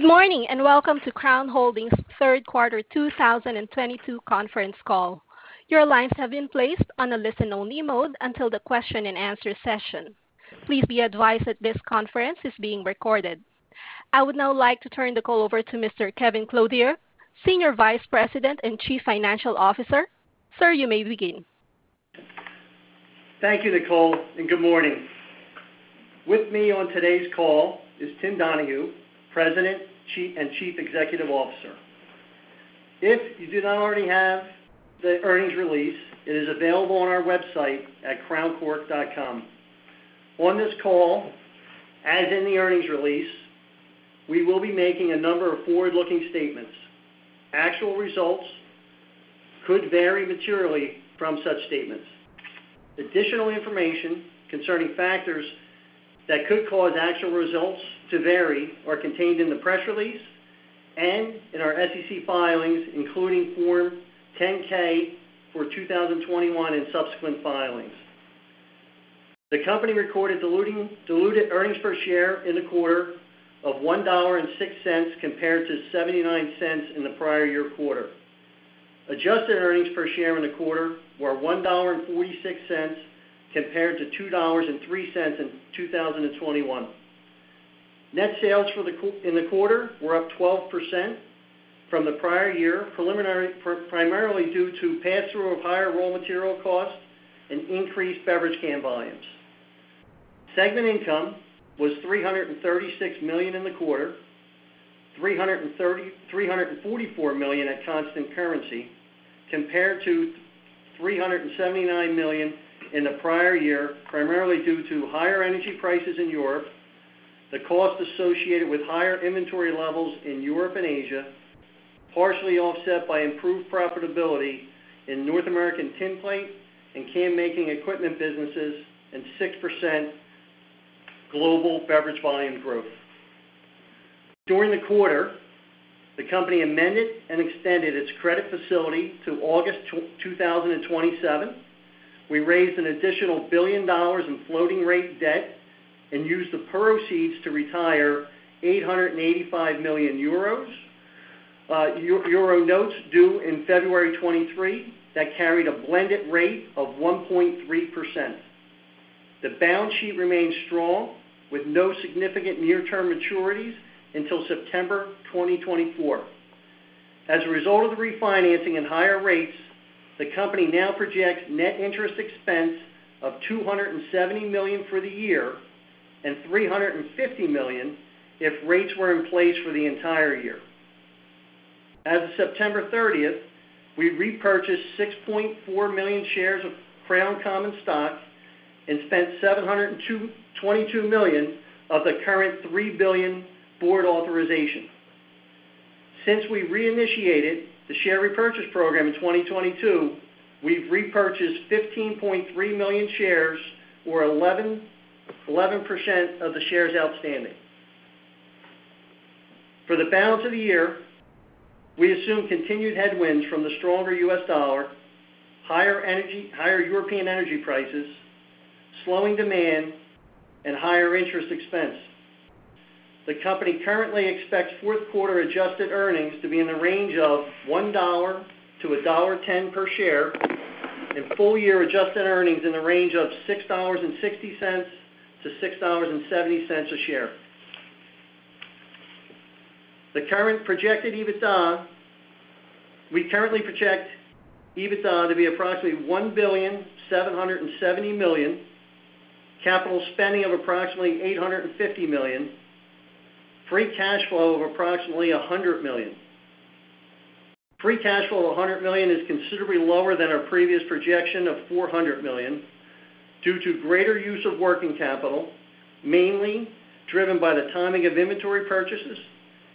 Good morning, and welcome to Crown Holdings third quarter 2022 conference call. Your lines have been placed on a listen-only mode until the question-and-answer session. Please be advised that this conference is being recorded. I would now like to turn the call over to Mr. Kevin Clothier, Senior Vice President and Chief Financial Officer. Sir, you may begin. Thank you, Nicole, and good morning. With me on today's call is Tim Donahue, President and Chief Executive Officer. If you do not already have the earnings release, it is available on our website at crowncork.com. On this call, as in the earnings release, we will be making a number of forward-looking statements. Actual results could vary materially from such statements. Additional information concerning factors that could cause actual results to vary are contained in the press release and in our SEC filings, including Form 10-K for 2021 and subsequent filings. The company recorded diluted earnings per share in the quarter of $1.06 compared to $0.79 in the prior year quarter. Adjusted earnings per share in the quarter were $1.46 compared to $2.03 in 2021. Net sales in the quarter were up 12% from the prior year, primarily due to pass-through of higher raw material costs and increased beverage can volumes. Segment income was $336 million in the quarter, $344 million at constant currency, compared to $379 million in the prior year, primarily due to higher energy prices in Europe, the cost associated with higher inventory levels in Europe and Asia, partially offset by improved profitability in North American Tinplate and can-making equipment businesses, and 6% global beverage volume growth. During the quarter, the company amended and extended its credit facility to August 2027. We raised an additional $1 billion in floating rate debt and used the proceeds to retire 885 million euro notes due in February 2023 that carried a blended rate of 1.3%. The balance sheet remains strong, with no significant near-term maturities until September 2024. As a result of the refinancing and higher rates, the company now projects net interest expense of $270 million for the year and $350 million if rates were in place for the entire year. As of September 30, we repurchased 6.4 million shares of Crown common stock and spent $722 million of the current $3 billion board authorization. Since we reinitiated the share repurchase program in 2022, we've repurchased 15.3 million shares or 11% of the shares outstanding. For the balance of the year, we assume continued headwinds from the stronger U.S. dollar, higher European energy prices, slowing demand, and higher interest expense. The company currently expects fourth quarter adjusted earnings to be in the range of $1-$1.10 per share and full-year adjusted earnings in the range of $6.60-$6.70 a share. We currently project EBITDA to be approximately $1.77 billion, capital spending of approximately $850 million, free cash flow of approximately $100 million. Free cash flow of $100 million is considerably lower than our previous projection of $400 million due to greater use of working capital, mainly driven by the timing of inventory purchases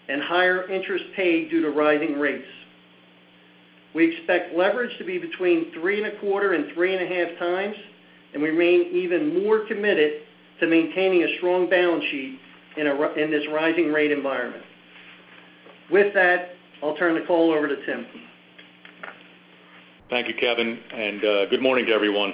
and higher interest paid due to rising rates. We expect leverage to be between 3.25x and 3.5x, and we remain even more committed to maintaining a strong balance sheet in this rising rate environment. With that, I'll turn the call over to Tim. Thank you, Kevin, and good morning to everyone.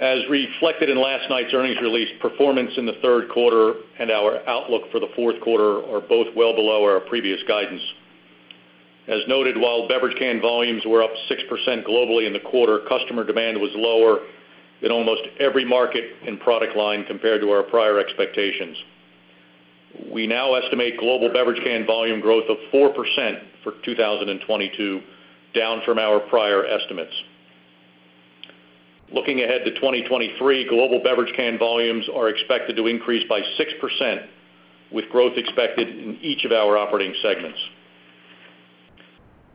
As reflected in last night's earnings release, performance in the third quarter and our outlook for the fourth quarter are both well below our previous guidance. As noted, while beverage can volumes were up 6% globally in the quarter, customer demand was lower in almost every market and product line compared to our prior expectations. We now estimate global beverage can volume growth of 4% for 2022, down from our prior estimates. Looking ahead to 2023, global beverage can volumes are expected to increase by 6%, with growth expected in each of our operating segments.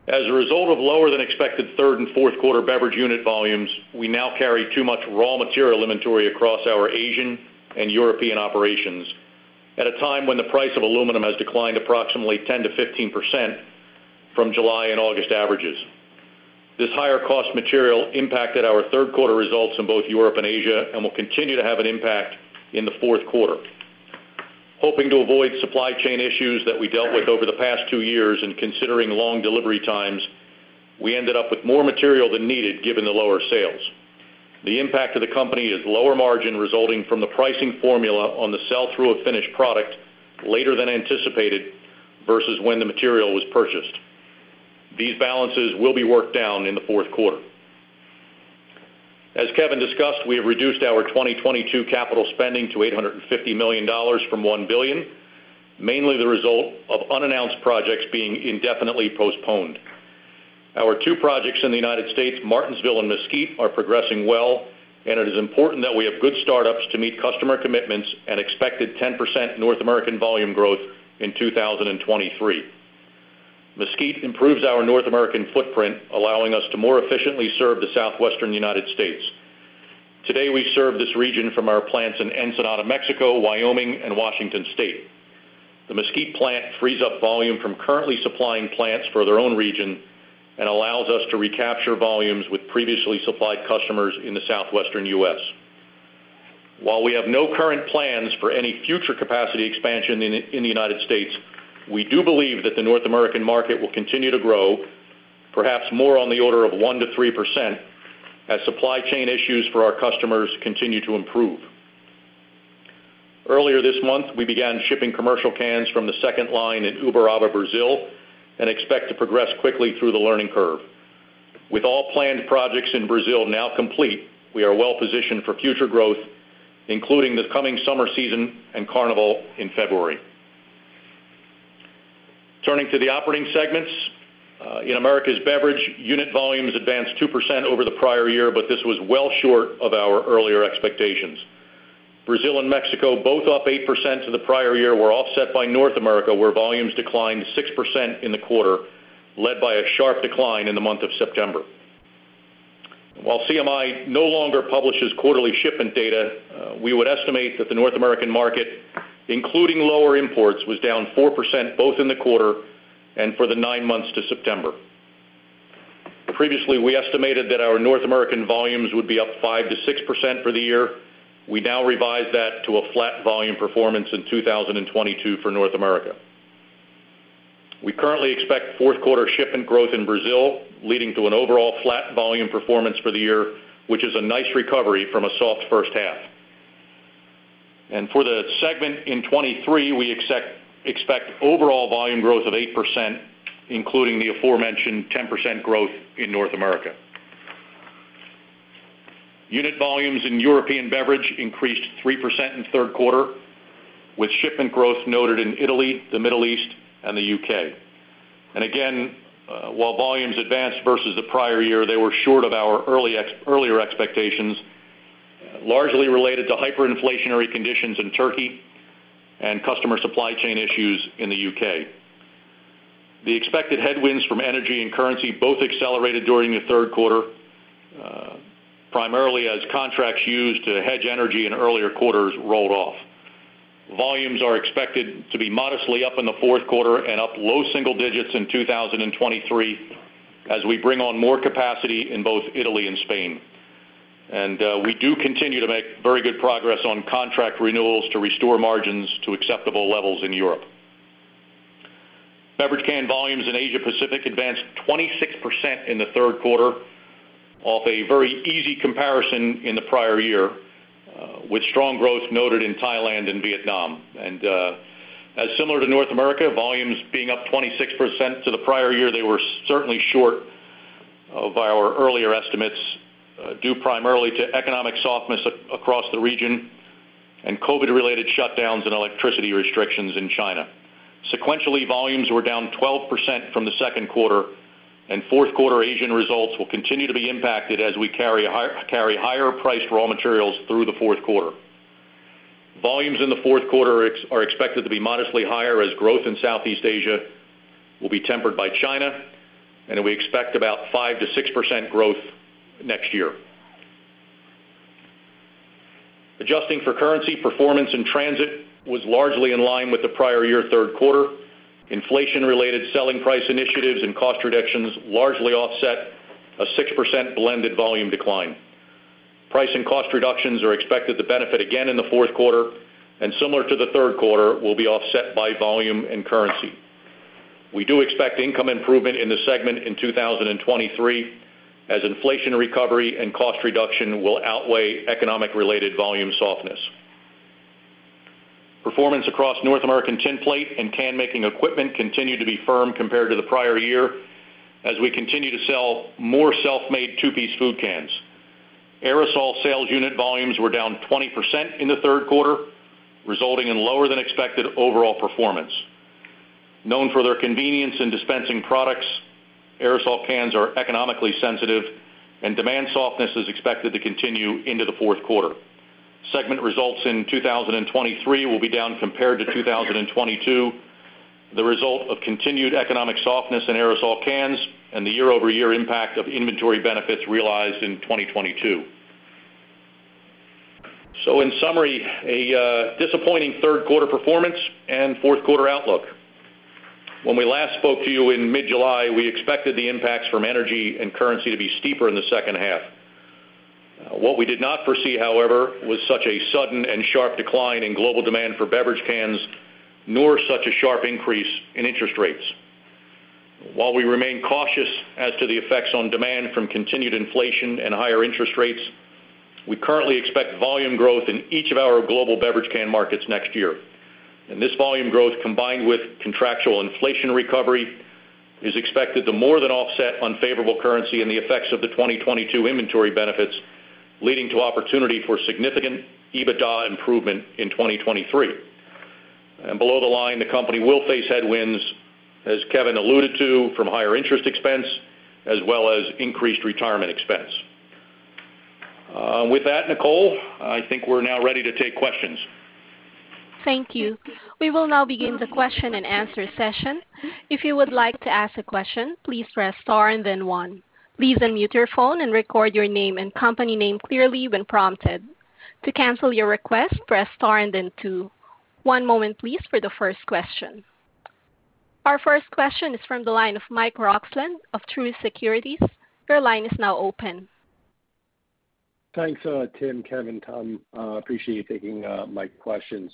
As a result of lower-than-expected third and fourth quarter beverage unit volumes, we now carry too much raw material inventory across our Asian and European operations at a time when the price of aluminum has declined approximately 10%-15% from July and August averages. This higher-cost material impacted our third quarter results in both Europe and Asia and will continue to have an impact in the fourth quarter. Hoping to avoid supply chain issues that we dealt with over the past 2 years and considering long delivery times, we ended up with more material than needed given the lower sales. The impact on the company is lower margin resulting from the pricing formula on the sell-through of finished product later than anticipated versus when the material was purchased. These balances will be worked down in the fourth quarter. As Kevin discussed, we have reduced our 2022 capital spending to $850 million from $1 billion, mainly the result of unannounced projects being indefinitely postponed. Our 2 projects in the United States, Martinsville and Mesquite, are progressing well, and it is important that we have good startups to meet customer commitments and expected 10% North American volume growth in 2023. Mesquite improves our North American footprint, allowing us to more efficiently serve the Southwestern United States. Today, we serve this region from our plants in Ensenada, Mexico, Wyoming and Washington State. The Mesquite plant frees up volume from currently supplying plants for their own region and allows us to recapture volumes with previously supplied customers in the Southwestern US. While we have no current plans for any future capacity expansion in the United States, we do believe that the North American market will continue to grow, perhaps more on the order of 1%-3%, as supply chain issues for our customers continue to improve. Earlier this month, we began shipping commercial cans from the second line in Uberaba, Brazil, and expect to progress quickly through the learning curve. With all planned projects in Brazil now complete, we are well-positioned for future growth, including the coming summer season and Carnival in February. Turning to the operating segments. In Americas Beverage, unit volumes advanced 2% over the prior year, but this was well short of our earlier expectations. Brazil and Mexico, both up 8% to the prior year, were offset by North America, where volumes declined 6% in the quarter, led by a sharp decline in the month of September. While CMI no longer publishes quarterly shipment data, we would estimate that the North American market, including lower imports, was down 4% both in the quarter and for the nine months to September. Previously, we estimated that our North American volumes would be up 5%-6% for the year. We now revise that to a flat volume performance in 2022 for North America. We currently expect fourth quarter shipment growth in Brazil, leading to an overall flat volume performance for the year, which is a nice recovery from a soft first half. For the segment in 2023, we expect overall volume growth of 8%, including the aforementioned 10% growth in North America. Unit volumes in European Beverage increased 3% in third quarter, with shipment growth noted in Italy, the Middle East, and the U.K. While volumes advanced versus the prior year, they were short of our earlier expectations, largely related to hyperinflationary conditions in Turkey and customer supply chain issues in the U.K. The expected headwinds from energy and currency both accelerated during the third quarter, primarily as contracts used to hedge energy in earlier quarters rolled off. Volumes are expected to be modestly up in the fourth quarter and up low single digits in 2023 as we bring on more capacity in both Italy and Spain. We do continue to make very good progress on contract renewals to restore margins to acceptable levels in Europe. Beverage can volumes in Asia Pacific advanced 26% in the third quarter off a very easy comparison in the prior year, with strong growth noted in Thailand and Vietnam. As similar to North America, volumes being up 26% to the prior year, they were certainly short of our earlier estimates, due primarily to economic softness across the region and COVID-related shutdowns and electricity restrictions in China. Sequentially, volumes were down 12% from the second quarter, and fourth quarter Asian results will continue to be impacted as we carry higher-priced raw materials through the fourth quarter. Volumes in the fourth quarter ex-FX are expected to be modestly higher as growth in Southeast Asia will be tempered by China, and we expect about 5%-6% growth next year. Adjusting for currency, performance in transit was largely in line with the prior year third quarter. Inflation-related selling price initiatives and cost reductions largely offset a 6% blended volume decline. Price and cost reductions are expected to benefit again in the fourth quarter, and similar to the third quarter, will be offset by volume and currency. We do expect income improvement in the segment in 2023 as inflation recovery and cost reduction will outweigh economic-related volume softness. Performance across North American Tinplate and can-making equipment continued to be firm compared to the prior year as we continue to sell more self-made two-piece food cans. Aerosol sales unit volumes were down 20% in the third quarter, resulting in lower than expected overall performance. Known for their convenience in dispensing products, aerosol cans are economically sensitive and demand softness is expected to continue into the fourth quarter. Segment results in 2023 will be down compared to 2022, the result of continued economic softness in aerosol cans and the year-over-year impact of inventory benefits realized in 2022. In summary, a disappointing third quarter performance and fourth quarter outlook. When we last spoke to you in mid-July, we expected the impacts from energy and currency to be steeper in the second half. What we did not foresee, however, was such a sudden and sharp decline in global demand for beverage cans, nor such a sharp increase in interest rates. While we remain cautious as to the effects on demand from continued inflation and higher interest rates, we currently expect volume growth in each of our global beverage can markets next year. This volume growth, combined with contractual inflation recovery, is expected to more than offset unfavorable currency and the effects of the 2022 inventory benefits, leading to opportunity for significant EBITDA improvement in 2023. Below the line, the company will face headwinds, as Kevin alluded to, from higher interest expense as well as increased retirement expense. With that, Nicole, I think we're now ready to take questions. Thank you. We will now begin the question-and-answer session. If you would like to ask a question, please press star and then one. Please unmute your phone and record your name and company name clearly when prompted. To cancel your request, press star and then two. One moment please for the first question. Our first question is from the line of Michael Roxland of Truist Securities. Your line is now open. Thanks, Tim, Kevin, Tom. Appreciate you taking my questions.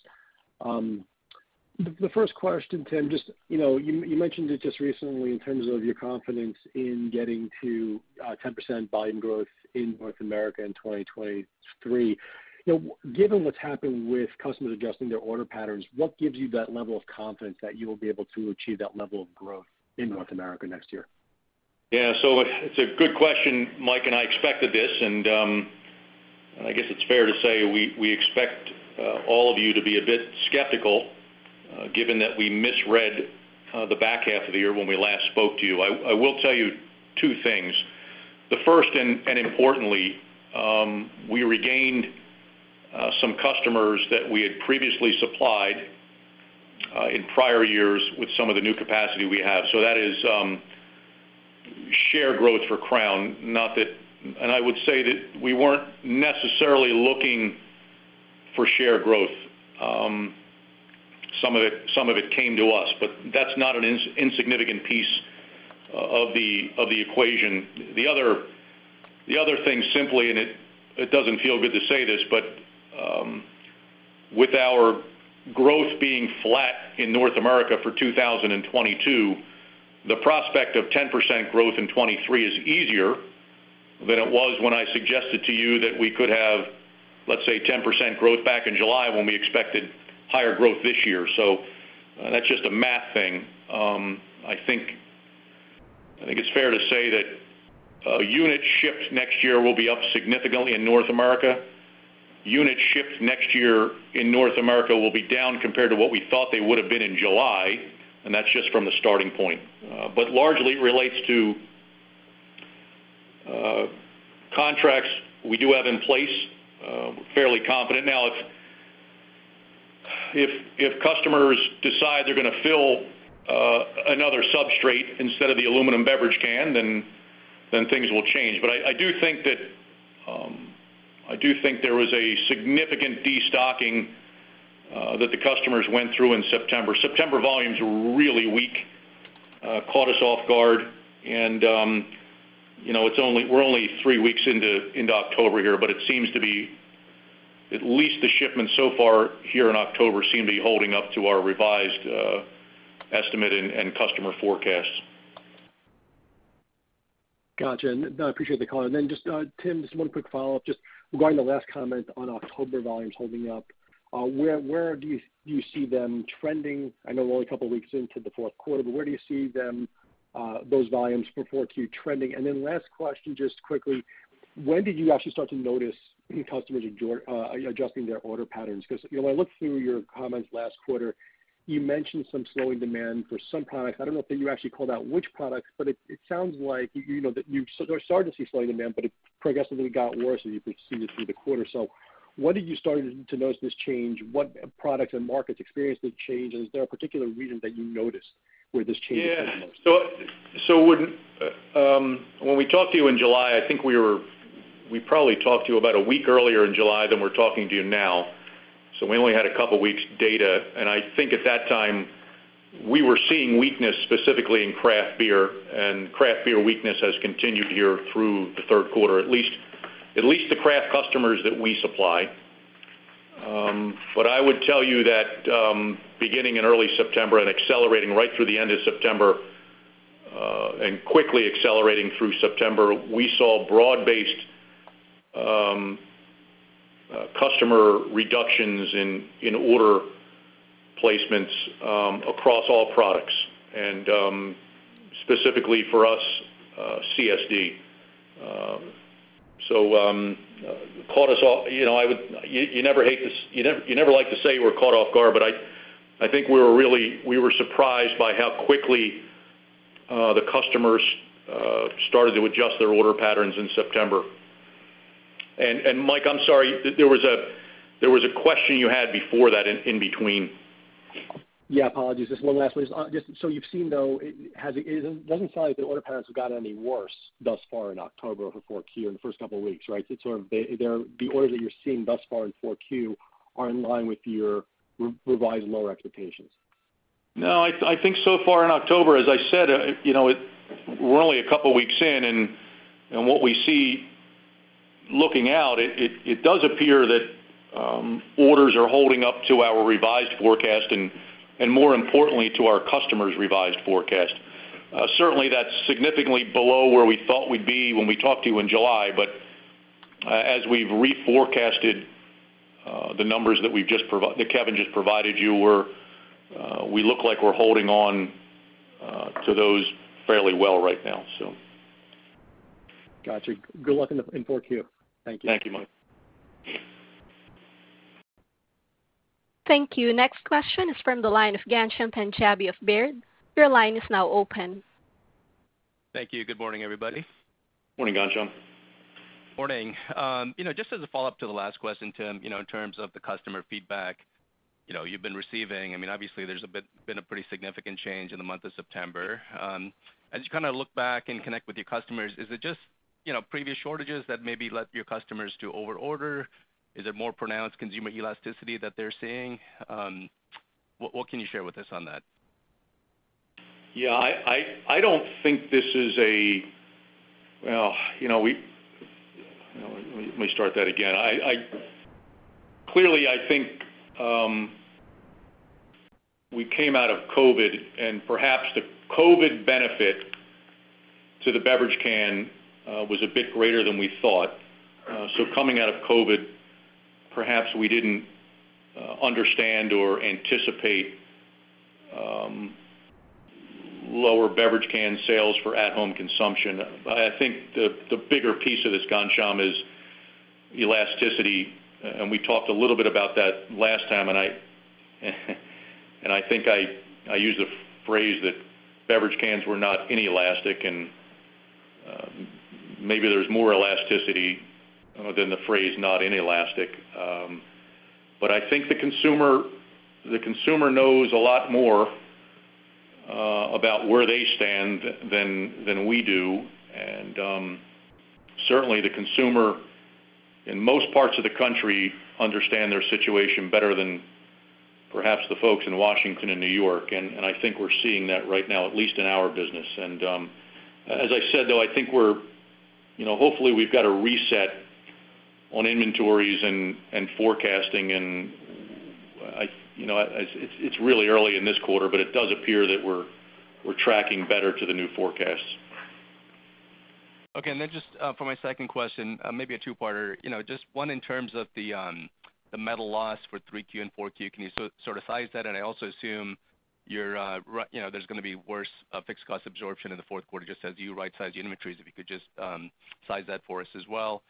The first question, Tim, just, you know, you mentioned it just recently in terms of your confidence in getting to 10% volume growth in North America in 2023. You know, given what's happened with customers adjusting their order patterns, what gives you that level of confidence that you will be able to achieve that level of growth in North America next year? Yeah, it's a good question, Mike, and I expected this, and I guess it's fair to say we expect all of you to be a bit skeptical, given that we misread the back half of the year when we last spoke to you. I will tell you two things. The first, and importantly, we regained some customers that we had previously supplied in prior years with some of the new capacity we have. That is share growth for Crown, not that. And I would say that we weren't necessarily looking for share growth. Some of it came to us, but that's not an insignificant piece of the equation. The other thing, simply, it doesn't feel good to say this, but with our growth being flat in North America for 2022, the prospect of 10% growth in 2023 is easier than it was when I suggested to you that we could have, let's say, 10% growth back in July when we expected higher growth this year. That's just a math thing. I think it's fair to say that units shipped next year will be up significantly in North America. Units shipped next year in North America will be down compared to what we thought they would have been in July, and that's just from the starting point. But largely relates to contracts we do have in place. We're fairly confident. Now, if customers decide they're gonna fill another substrate instead of the aluminum beverage can, then things will change. I do think that there was a significant destocking that the customers went through in September. September volumes were really weak, caught us off guard and, you know, we're only three weeks into October here, but it seems to be at least the shipments so far here in October seem to be holding up to our revised estimate and customer forecasts. Gotcha. No, I appreciate the call. Then just Tim, just one quick follow-up. Just regarding the last comment on October volumes holding up, where do you see them trending? I know we're only a couple weeks into the fourth quarter, but where do you see those volumes for 4Q trending? Last question, just quickly, when did you actually start to notice customers adjusting their order patterns? 'Cause when I looked through your comments last quarter, you mentioned some slowing demand for some products. I don't know if you actually called out which products, but it sounds like, you know, that you started to see slowing demand, but it progressively got worse, and you could see this through the quarter. When did you start to notice this change? What products and markets experienced the change? Is there a particular reason that you noticed where this change occurred the most? Yeah. When we talked to you in July, I think we probably talked to you about a week earlier in July than we're talking to you now, so we only had a couple weeks data. I think at that time, we were seeing weakness specifically in craft beer, and craft beer weakness has continued here through the third quarter, at least the craft customers that we supply. I would tell you that beginning in early September and accelerating right through the end of September and quickly accelerating through September, we saw broad-based customer reductions in order placements across all products and specifically for us, CSD. Caught us off guard, you know. You never like to say you were caught off guard, but I think we were really surprised by how quickly the customers started to adjust their order patterns in September. Mike, I'm sorry, there was a question you had before that in between. Yeah, apologies. Just one last, please. Just so you've seen, though, it doesn't sound like the order patterns have gotten any worse thus far in October for 4Q in the first couple weeks, right? It's sort of they're the orders that you're seeing thus far in 4Q are in line with your revised lower expectations. No, I think so far in October, as I said, you know, we're only a couple weeks in, and what we see. Looking out, it does appear that orders are holding up to our revised forecast and more importantly to our customers revised forecast. Certainly that's significantly below where we thought we'd be when we talked to you in July. As we've reforecasted, the numbers that we've just that Kevin just provided you were, we look like we're holding on to those fairly well right now, so. Got you. Good luck in four Q. Thank you. Thank you, Mike. Thank you. Next question is from the line of Ghansham Panjabi of Baird. Your line is now open. Thank you. Good morning, everybody. Morning, Ghansham. Morning. You know, just as a follow-up to the last question, Tim, you know, in terms of the customer feedback, you know, you've been receiving. I mean, obviously, there's been a pretty significant change in the month of September. As you kinda look back and connect with your customers, is it just, you know, previous shortages that maybe led your customers to overorder? Is it more pronounced consumer elasticity that they're seeing? What can you share with us on that? Clearly, I think we came out of COVID and perhaps the COVID benefit to the beverage can was a bit greater than we thought. Coming out of COVID, perhaps we didn't understand or anticipate lower beverage can sales for at home consumption. I think the bigger piece of this, Ghansham, is elasticity, and we talked a little bit about that last time, and I think I used the phrase that beverage cans were not inelastic and maybe there's more elasticity than the phrase not inelastic. I think the consumer knows a lot more about where they stand than we do. Certainly the consumer in most parts of the country understand their situation better than perhaps the folks in Washington and New York. I think we're seeing that right now, at least in our business. As I said, though, I think we're, you know, hopefully, we've got a reset on inventories and forecasting, and you know, it's really early in this quarter, but it does appear that we're tracking better to the new forecasts. Okay. Just for my second question, maybe a two-parter. You know, just one, in terms of the metal loss for 3Q and 4Q. Can you sort of size that? I also assume you're, you know, there's gonna be worse fixed cost absorption in the fourth quarter, just as you right-size inventories, if you could just size that for us as well.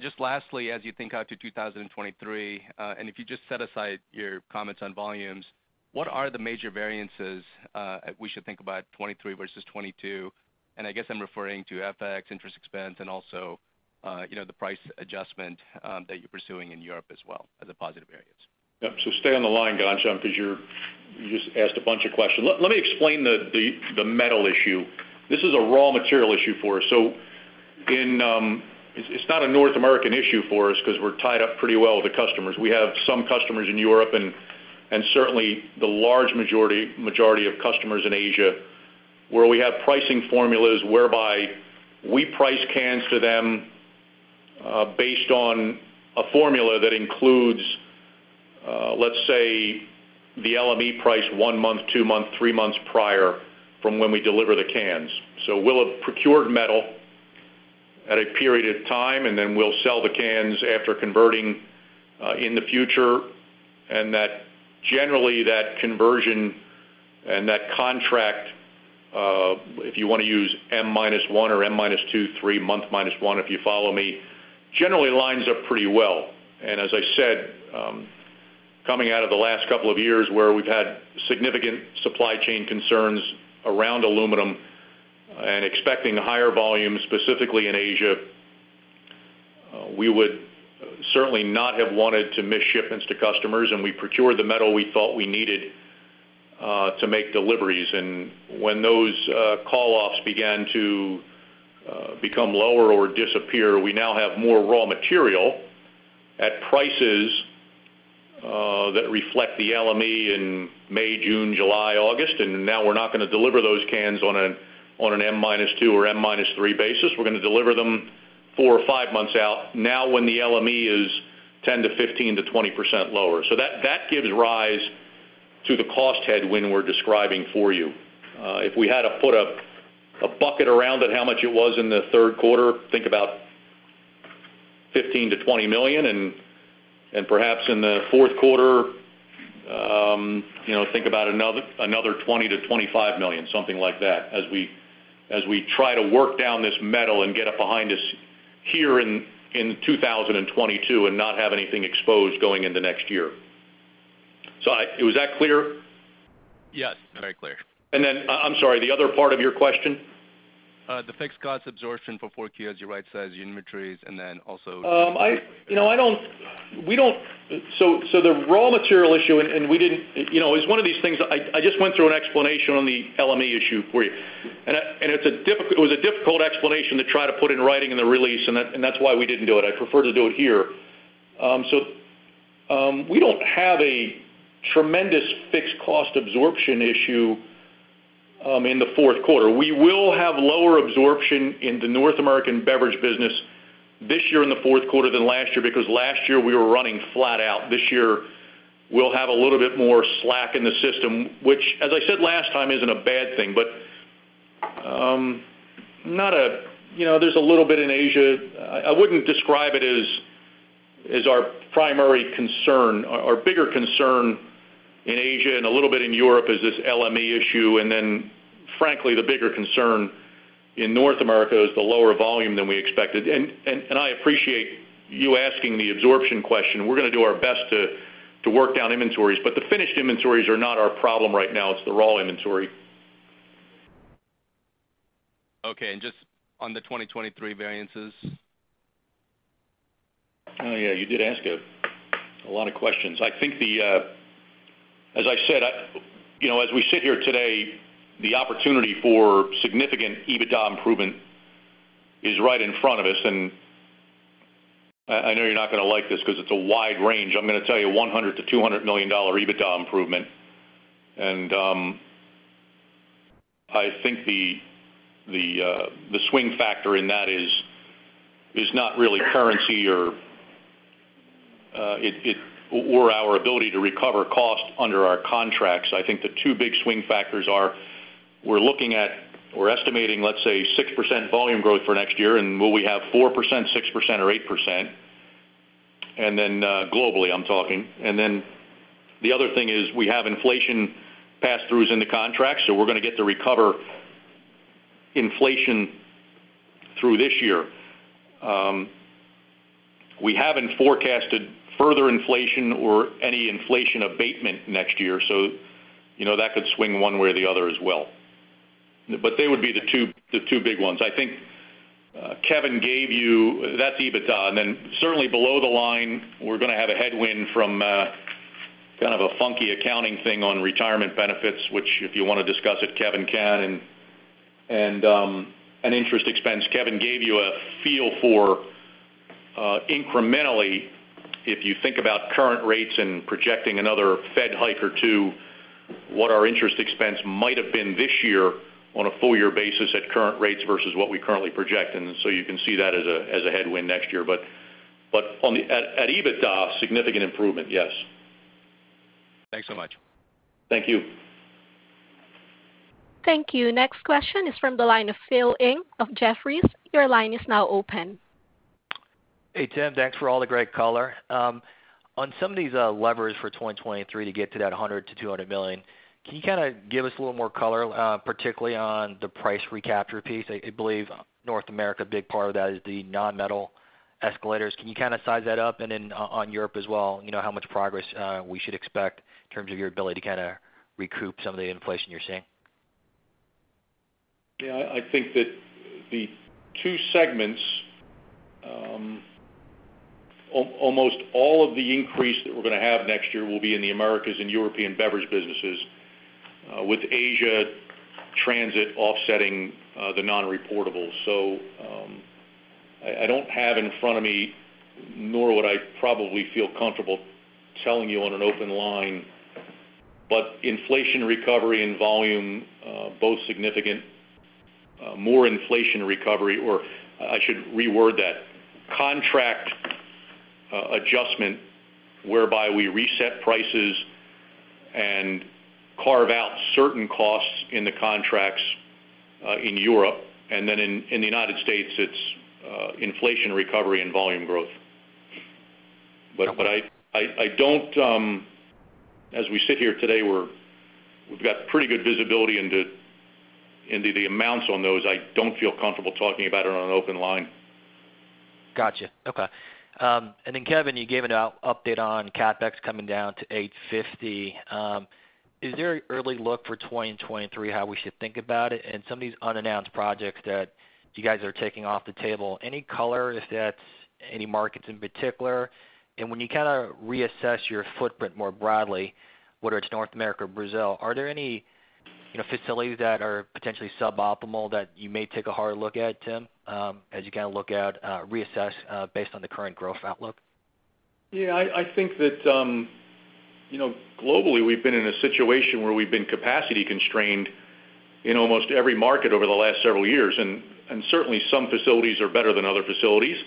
Just lastly, as you think out to 2023, and if you just set aside your comments on volumes, what are the major variances we should think about 2023 versus 2022? I guess I'm referring to FX interest expense and also, you know, the price adjustment that you're pursuing in Europe as well as a positive variance. Yep. Stay on the line, Ghansham, 'cause you just asked a bunch of questions. Let me explain the metal issue. This is a raw material issue for us. It's not a North American issue for us 'cause we're tied up pretty well with the customers. We have some customers in Europe, and certainly the large majority of customers in Asia, where we have pricing formulas whereby we price cans to them based on a formula that includes, let's say, the LME price 1 month, 2 month, 3 months prior from when we deliver the cans. We'll have procured metal at a period of time, and then we'll sell the cans after converting in the future. Generally, that conversion and that contract, if you wanna use M minus one or M minus two, three month minus one, if you follow me, generally lines up pretty well. As I said, coming out of the last couple of years where we've had significant supply chain concerns around aluminum and expecting higher volumes, specifically in Asia, we would certainly not have wanted to miss shipments to customers, and we procured the metal we thought we needed to make deliveries. When those call-offs began to become lower or disappear, we now have more raw material at prices that reflect the LME in May, June, July, August. Now we're not gonna deliver those cans on an M minus two or M minus three basis. We're gonna deliver them 4 or 5 months out now when the LME is 10% to 15% to 20% lower. That gives rise to the cost headwind we're describing for you. If we had to put a bucket around it, how much it was in the third quarter, think about $15 million-$20 million. Perhaps in the fourth quarter, you know, think about another $20 million-$25 million, something like that, as we try to work down this metal and get it behind us here in 2022 and not have anything exposed going into next year. Was that clear? Yes, very clear. I'm sorry, the other part of your question? The fixed cost absorption for 4Q as you right-size inventories and then also. You know, the raw material issue, and we didn't, you know, it's one of these things I just went through an explanation on the LME issue for you. It was a difficult explanation to try to put in writing in the release, and that's why we didn't do it. I prefer to do it here. We don't have a tremendous fixed cost absorption issue in the fourth quarter. We will have lower absorption in the North American beverage business this year in the fourth quarter than last year because last year we were running flat out. This year we'll have a little bit more slack in the system, which as I said last time, isn't a bad thing, but you know, there's a little bit in Asia. I wouldn't describe it as our primary concern. Our bigger concern in Asia and a little bit in Europe is this LME issue. Frankly, the bigger concern in North America is the lower volume than we expected. I appreciate you asking the absorption question. We're gonna do our best to work down inventories, but the finished inventories are not our problem right now, it's the raw inventory. Okay. Just on the 2023 variances. Oh, yeah, you did ask a lot of questions. I think. As I said, you know, as we sit here today, the opportunity for significant EBITDA improvement is right in front of us. I know you're not gonna like this 'cause it's a wide range. I'm gonna tell you $100 million-$200 million EBITDA improvement. I think the swing factor in that is not really currency or our ability to recover cost under our contracts. I think the two big swing factors are, we're looking at or estimating, let's say, 6% volume growth for next year, and will we have 4%, 6% or 8%? Globally, I'm talking. The other thing is we have inflation pass-throughs in the contract, so we're gonna get to recover inflation through this year. We haven't forecasted further inflation or any inflation abatement next year, so, you know, that could swing one way or the other as well. They would be the two big ones. I think Kevin gave you that. That's EBITDA. Certainly below the line, we're gonna have a headwind from kind of a funky accounting thing on retirement benefits, which if you wanna discuss it, Kevin can. An interest expense. Kevin gave you a feel for incrementally, if you think about current rates and projecting another Fed hike or two, what our interest expense might have been this year on a full year basis at current rates versus what we currently project. You can see that as a headwind next year. At EBITDA, significant improvement, yes. Thanks so much. Thank you. Thank you. Next question is from the line of Phil Ng of Jefferies. Your line is now open. Hey, Tim. Thanks for all the great color. On some of these levers for 2023 to get to that $100 million-$200 million, can you kinda give us a little more color, particularly on the price recapture piece? I believe North America, a big part of that is the non-metal escalators. Can you kinda size that up? On Europe as well, you know, how much progress we should expect in terms of your ability to kinda recoup some of the inflation you're seeing? Yeah. I think that the two segments, almost all of the increase that we're gonna have next year will be in the Americas and European Beverage businesses, with Asia Pacific, Transit offsetting the non-reportable. I don't have in front of me, nor would I probably feel comfortable telling you on an open line, but inflation recovery and volume both significant. More inflation recovery, or I should reword that. Contract adjustment whereby we reset prices and carve out certain costs in the contracts in Europe, and then in the United States, it's inflation recovery and volume growth. As we sit here today, we've got pretty good visibility into the amounts on those. I don't feel comfortable talking about it on an open line. Gotcha. Okay. Kevin, you gave an update on CapEx coming down to $850. Is there an early look for 2023, how we should think about it? Some of these unannounced projects that you guys are taking off the table, any color if that's any markets in particular? When you kinda reassess your footprint more broadly, whether it's North America or Brazil, are there any, you know, facilities that are potentially suboptimal that you may take a hard look at, Tim, as you kinda reassess based on the current growth outlook? Yeah. I think that, you know, globally, we've been in a situation where we've been capacity constrained in almost every market over the last several years, and certainly some facilities are better than other facilities.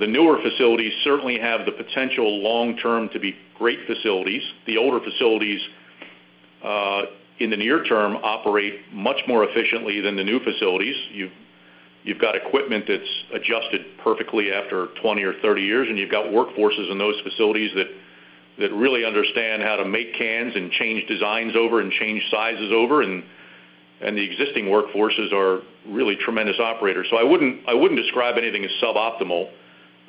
The newer facilities certainly have the potential long-term to be great facilities. The older facilities, in the near term, operate much more efficiently than the new facilities. You've got equipment that's adjusted perfectly after 20 or 30 years, and you've got workforces in those facilities that really understand how to make cans and change designs over and change sizes over, and the existing workforces are really tremendous operators. So I wouldn't describe anything as suboptimal.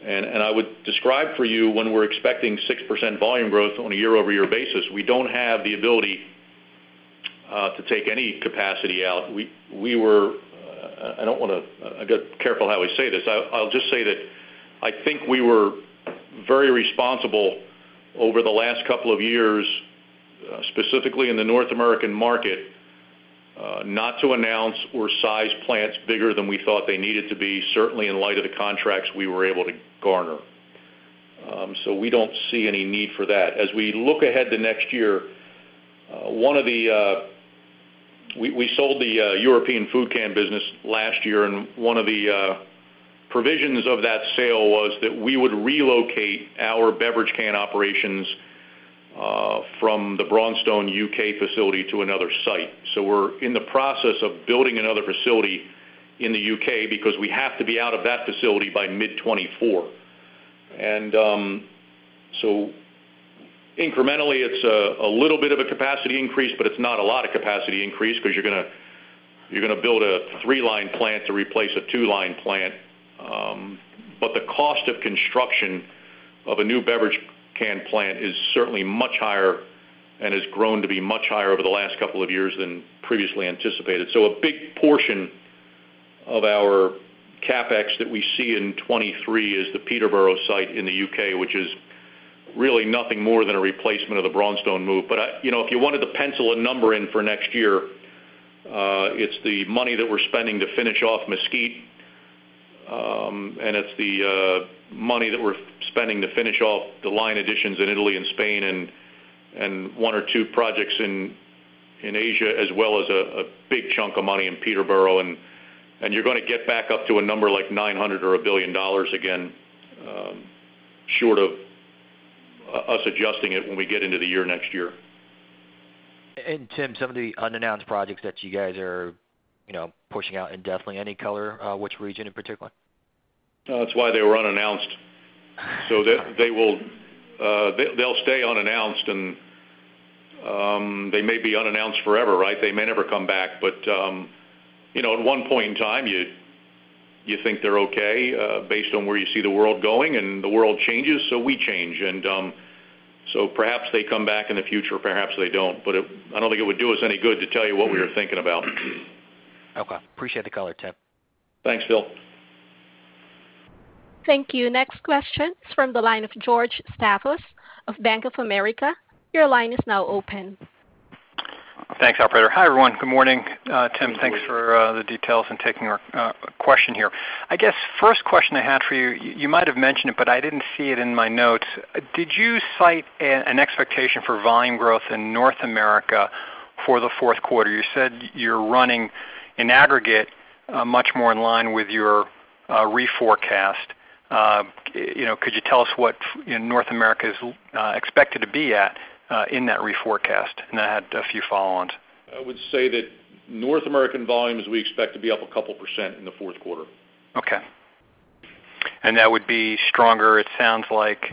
I would describe for you when we're expecting 6% volume growth on a year-over-year basis, we don't have the ability to take any capacity out. We were. I don't wanna—I gotta be careful how we say this. I'll just say that I think we were very responsible over the last couple of years, specifically in the North American market, not to announce or size plants bigger than we thought they needed to be, certainly in light of the contracts we were able to garner. We don't see any need for that. As we look ahead to next year, one of the, we sold the European food can business last year, and one of the provisions of that sale was that we would relocate our beverage can operations from the Braunstone UK facility to another site. We're in the process of building another facility in the UK because we have to be out of that facility by mid-2024. Incrementally, it's a little bit of a capacity increase, but it's not a lot of capacity increase because you're gonna build a three-line plant to replace a two-line plant. The cost of construction of a new beverage can plant is certainly much higher and has grown to be much higher over the last couple of years than previously anticipated. A big portion of our CapEx that we see in 2023 is the Peterborough site in the U.K., which is really nothing more than a replacement of the Braunstone move. You know, if you wanted to pencil a number in for next year, it's the money that we're spending to finish off Mesquite, and it's the money that we're spending to finish off the line additions in Italy and Spain and one or two projects in Asia, as well as a big chunk of money in Peterborough. You're gonna get back up to a number like $900 million or $1 billion again, short of us adjusting it when we get into the year next year. Tim, some of the unannounced projects that you guys are, you know, pushing out indefinitely, any color, which region in particular? That's why they were unannounced. They will stay unannounced, and they may be unannounced forever, right? They may never come back. You know, at one point in time, you think they're okay, based on where you see the world going, and the world changes, so we change. Perhaps they come back in the future, perhaps they don't. I don't think it would do us any good to tell you what we were thinking about. Okay. Appreciate the color, Tim. Thanks, Phil. Thank you. Next question is from the line of George Staphos of Bank of America. Your line is now open. Thanks, operator. Hi, everyone. Good morning. Good morning. Tim, thanks for the details and taking our question here. I guess first question I had for you might have mentioned it, but I didn't see it in my notes. Did you cite an expectation for volume growth in North America for the fourth quarter? You said you're running in aggregate much more in line with your reforecast. You know, could you tell us what North America is expected to be at in that reforecast? And I had a few follow-ons. I would say that North American volumes, we expect to be up a couple% in the fourth quarter. Okay. That would be stronger, it sounds like.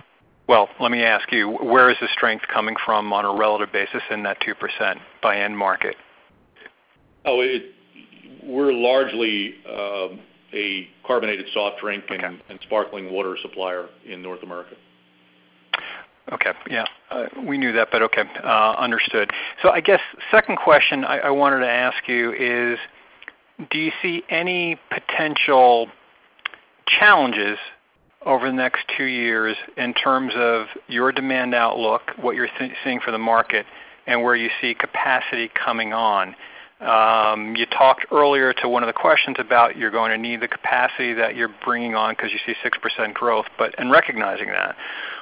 Well, let me ask you, where is the strength coming from on a relative basis in that 2% by end market? We're largely a carbonated soft drink. Okay. Sparkling water supplier in North America. Okay. Yeah. We knew that, but okay, understood. I guess second question I wanted to ask you is, do you see any potential challenges over the next two years in terms of your demand outlook, what you're seeing for the market, and where you see capacity coming on? You talked earlier to one of the questions about you're going to need the capacity that you're bringing on because you see 6% growth. In recognizing that,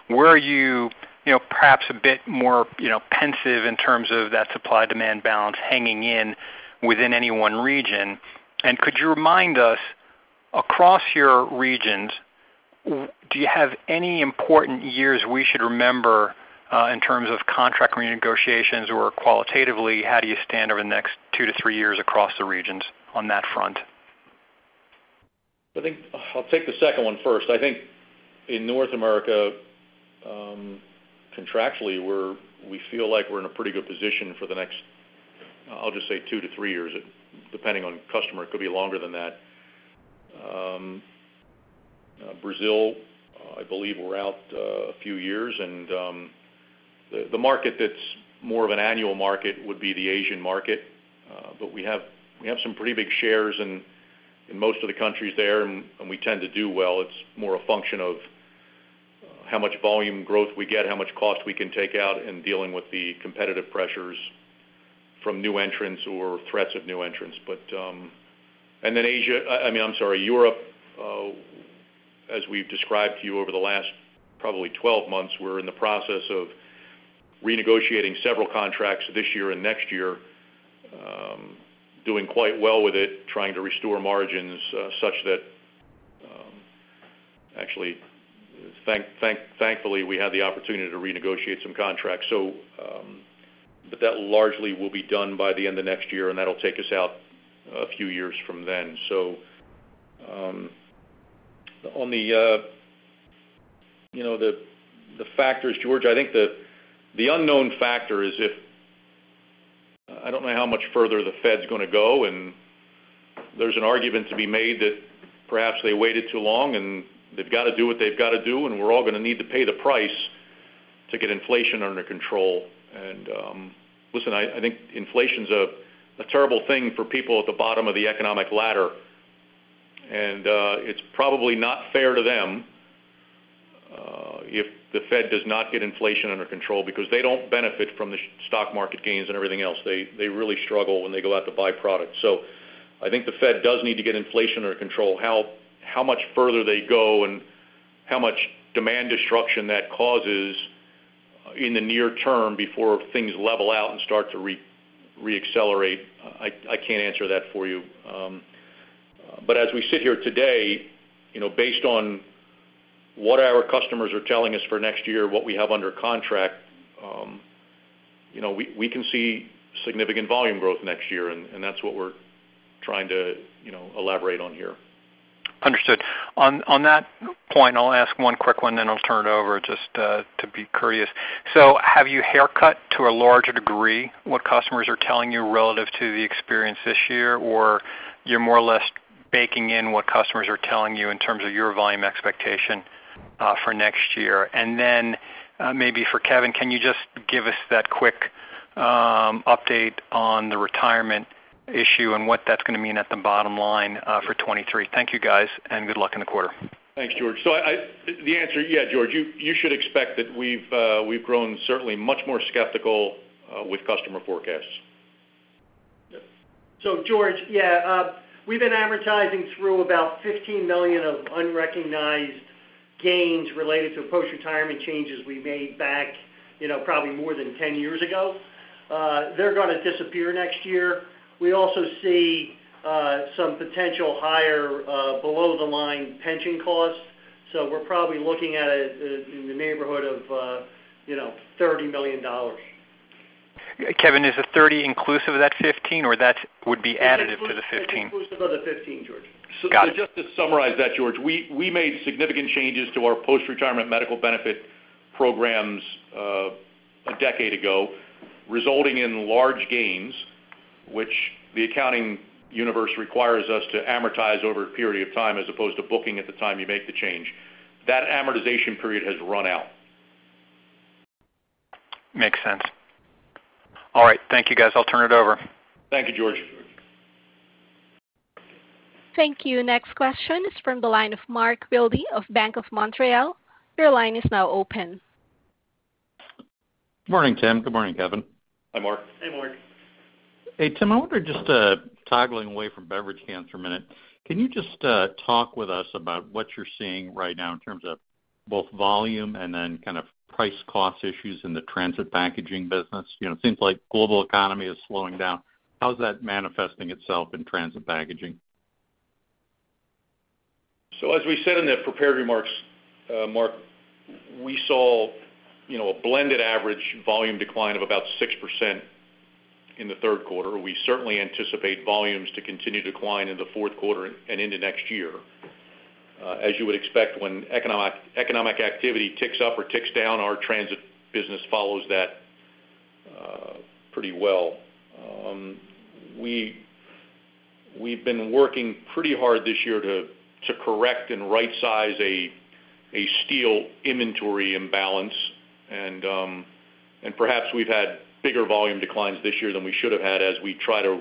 were you know, perhaps a bit more, you know, pensive in terms of that supply-demand balance hanging in the balance within any one region? Could you remind us, across your regions, do you have any important years we should remember in terms of contract renegotiations, or qualitatively, how do you stand over the next two to three years across the regions on that front? I think I'll take the second one first. I think in North America, contractually, we feel like we're in a pretty good position for the next, I'll just say, 2-3 years, depending on customer. It could be longer than that. Brazil, I believe we're out a few years. The market that's more of an annual market would be the Asian market. We have some pretty big shares in most of the countries there, and we tend to do well. It's more a function of how much volume growth we get, how much cost we can take out in dealing with the competitive pressures from new entrants or threats of new entrants. Asia, I mean, Europe, as we've described to you over the last probably 12 months, we're in the process of renegotiating several contracts this year and next year, doing quite well with it, trying to restore margins, such that, actually, thankfully, we have the opportunity to renegotiate some contracts. That largely will be done by the end of next year, and that'll take us out a few years from then. On the, you know, the factors, George, I think the unknown factor is if, I don't know how much further the Fed's gonna go, and there's an argument to be made that perhaps they waited too long, and they've got to do what they've got to do, and we're all gonna need to pay the price to get inflation under control. Listen, I think inflation's a terrible thing for people at the bottom of the economic ladder. It's probably not fair to them if the Fed does not get inflation under control because they don't benefit from the stock market gains and everything else. They really struggle when they go out to buy products. I think the Fed does need to get inflation under control. How much further they go and how much demand destruction that causes in the near term before things level out and start to reaccelerate, I can't answer that for you. As we sit here today, you know, based on what our customers are telling us for next year, what we have under contract, you know, we can see significant volume growth next year, and that's what we're trying to, you know, elaborate on here. Understood. On that point, I'll ask one quick one, then I'll turn it over just to be courteous. Have you had to haircut to a larger degree what customers are telling you relative to the experience this year, or you're more or less baking in what customers are telling you in terms of your volume expectation for next year? Maybe for Kevin, can you just give us that quick update on the retirement issue and what that's gonna mean at the bottom line for 2023? Thank you, guys, and good luck in the quarter. Thanks, George. The answer, yeah, George, you should expect that we've grown certainly much more skeptical with customer forecasts. George, we've been amortizing through about $15 million of unrecognized gains related to post-retirement changes we made back, you know, probably more than 10 years ago. They're gonna disappear next year. We also see some potential higher below-the-line pension costs. We're probably looking at, in the neighborhood of, you know, $30 million. Kevin, is the $30 inclusive of that $15, or that would be additive to the $15? It's inclusive of the 15, George. Got it. Just to summarize that, George, we made significant changes to our post-retirement medical benefit programs, a decade ago, resulting in large gains, which the accounting universe requires us to amortize over a period of time as opposed to booking at the time you make the change. That amortization period has run out. Makes sense. All right. Thank you, guys. I'll turn it over. Thank you, George. Thank you. Thank you. Next question is from the line of Mark Wilde of Bank of Montreal. Your line is now open. Morning, Tim. Good morning, Kevin. Hi, Mark. Hey, Mark. Hey, Tim. I wonder, just, toggling away from beverage cans for a minute, can you just, talk with us about what you're seeing right now in terms of both volume and then kind of price cost issues in the Transit Packaging business? You know, seems like global economy is slowing down. How's that manifesting itself in Transit Packaging? As we said in the prepared remarks, Mark, we saw, you know, a blended average volume decline of about 6% in the third quarter. We certainly anticipate volumes to continue to decline in the fourth quarter and into next year. As you would expect when economic activity ticks up or ticks down, our transit business follows that pretty well. We've been working pretty hard this year to correct and rightsize a steel inventory imbalance. Perhaps we've had bigger volume declines this year than we should have had as we try to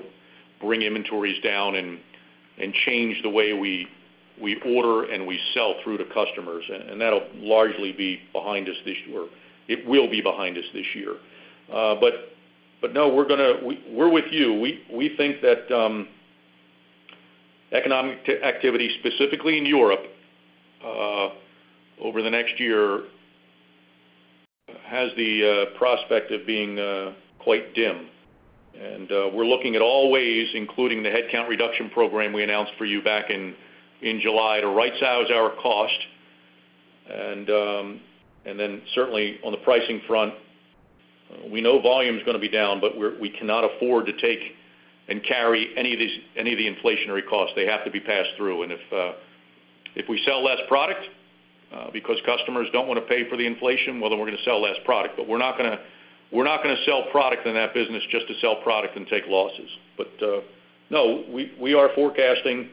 bring inventories down and change the way we order and we sell through to customers. That'll largely be behind us this year. It will be behind us this year. But no, we're with you. We think that economic activity, specifically in Europe, over the next year has the prospect of being quite dim. We're looking at all ways, including the headcount reduction program we announced for you back in July to rightsize our cost. Then certainly on the pricing front, we know volume's gonna be down, but we cannot afford to take and carry any of the inflationary costs. They have to be passed through. If we sell less product because customers don't wanna pay for the inflation, well, then we're gonna sell less product. We're not gonna sell product in that business just to sell product and take losses. No, we are forecasting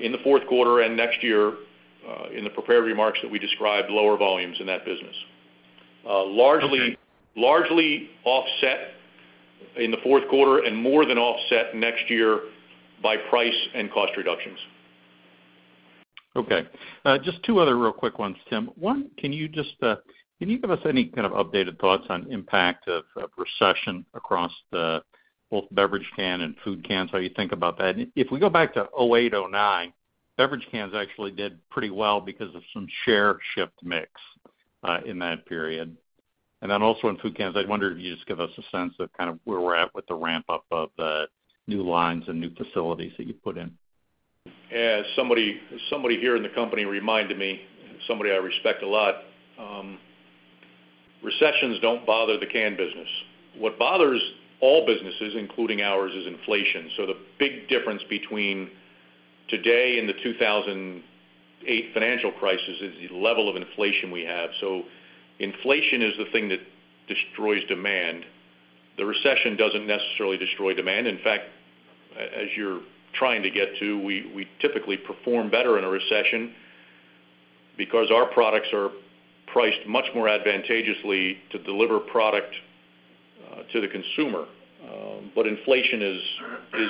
in the fourth quarter and next year in the prepared remarks that we described lower volumes in that business. Largely- Okay. Largely offset in the fourth quarter and more than offset next year by price and cost reductions. Okay. Just two other real quick ones, Tim. One, can you just give us any kind of updated thoughts on impact of recession across both beverage can and food cans, how you think about that? If we go back to 2008, 2009, beverage cans actually did pretty well because of some share shift mix in that period. Then also in food cans, I wonder if you just give us a sense of kind of where we're at with the ramp-up of new lines and new facilities that you put in. Somebody here in the company reminded me, somebody I respect a lot, recessions don't bother the can business. What bothers all businesses, including ours, is inflation. The big difference between today and the 2008 financial crisis is the level of inflation we have. Inflation is the thing that destroys demand. The recession doesn't necessarily destroy demand. In fact, as you're trying to get to, we typically perform better in a recession because our products are priced much more advantageously to deliver product to the consumer. Inflation is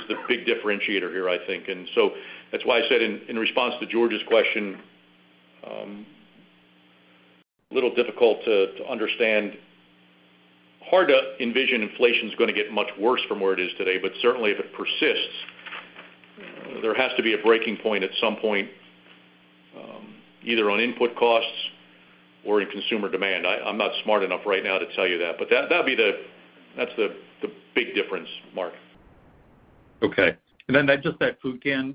the big differentiator here, I think. That's why I said in response to George's question, little difficult to understand. Hard to envision inflation's gonna get much worse from where it is today, but certainly if it persists, there has to be a breaking point at some point, either on input costs or in consumer demand. I'm not smart enough right now to tell you that. But that'd be the big difference, Mark. Okay. Just that food can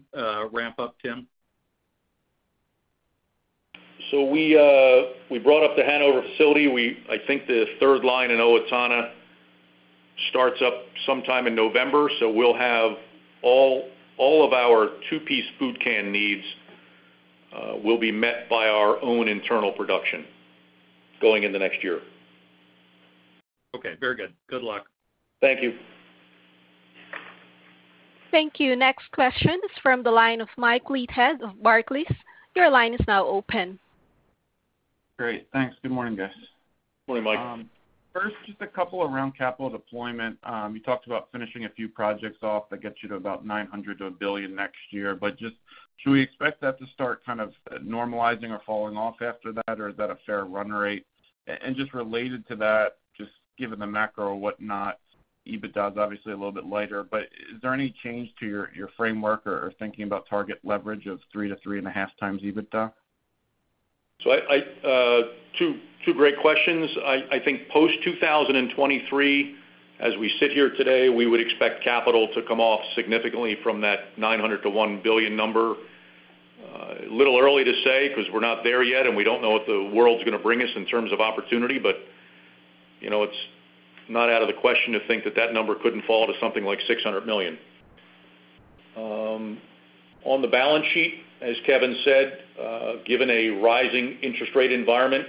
ramp up, Tim? We brought up the Hanover facility. I think the third line in Owatonna starts up sometime in November. We'll have all of our two-piece food can needs will be met by our own internal production going in the next year. Okay, very good. Good luck. Thank you. Thank you. Next question is from the line of Mike Leithead of Barclays. Your line is now open. Great. Thanks. Good morning, guys. Good morning, Mike. First, just a couple around capital deployment. You talked about finishing a few projects off that gets you to about $900 million-$1 billion next year. Just, should we expect that to start kind of normalizing or falling off after that, or is that a fair run rate? Just related to that, just given the macro whatnot, EBITDA is obviously a little bit lighter, but is there any change to your framework or thinking about target leverage of 3-3.5x EBITDA? Two great questions. I think post-2023, as we sit here today, we would expect capital to come off significantly from that $900 million-$1 billion number. A little early to say 'cause we're not there yet, and we don't know what the world's gonna bring us in terms of opportunity. You know, it's not out of the question to think that that number couldn't fall to something like $600 million. On the balance sheet, as Kevin said, given a rising interest rate environment,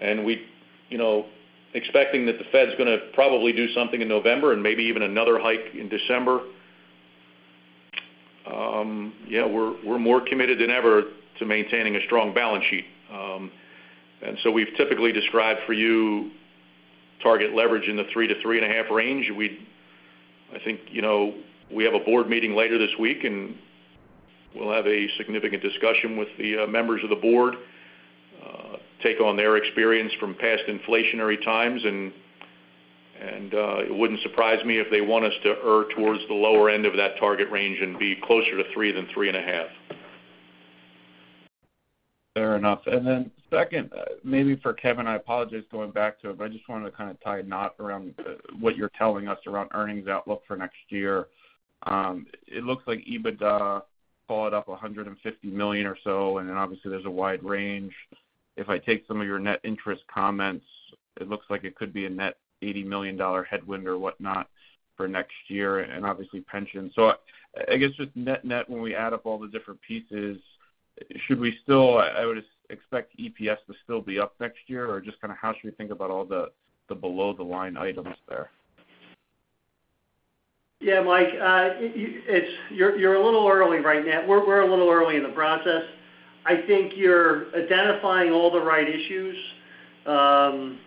and we, you know, expecting that the Fed's gonna probably do something in November and maybe even another hike in December, yeah, we're more committed than ever to maintaining a strong balance sheet. We've typically described for you target leverage in the 3-3.5 range. I think, you know, we have a board meeting later this week, and we'll have a significant discussion with the members of the board take on their experience from past inflationary times, and it wouldn't surprise me if they want us to err towards the lower end of that target range and be closer to 3 than 3.5. Fair enough. Second, maybe for Kevin, I apologize going back to it, but I just wanted to kind of tie a knot around what you're telling us around earnings outlook for next year. It looks like EBITDA flat or up $150 million or so, and then obviously there's a wide range. If I take some of your net interest comments, it looks like it could be a net $80 million headwind or whatnot for next year and obviously pension. I guess just net-net, when we add up all the different pieces, should we still, I would expect EPS to still be up next year? Or just kinda how should we think about all the below the line items there? Yeah, Mike, you're a little early right now. We're a little early in the process. I think you're identifying all the right issues.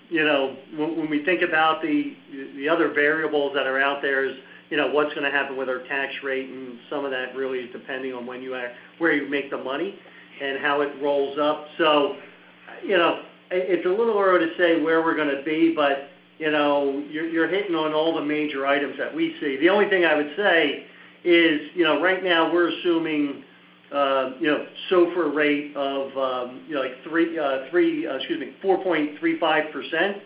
You know, when we think about the other variables that are out there is, you know, what's gonna happen with our tax rate, and some of that really is depending on where you make the money and how it rolls up. You know, it's a little early to say where we're gonna be, but, you know, you're hitting on all the major items that we see. The only thing I would say is, you know, right now we're assuming, you know, SOFR rate of 4.35%.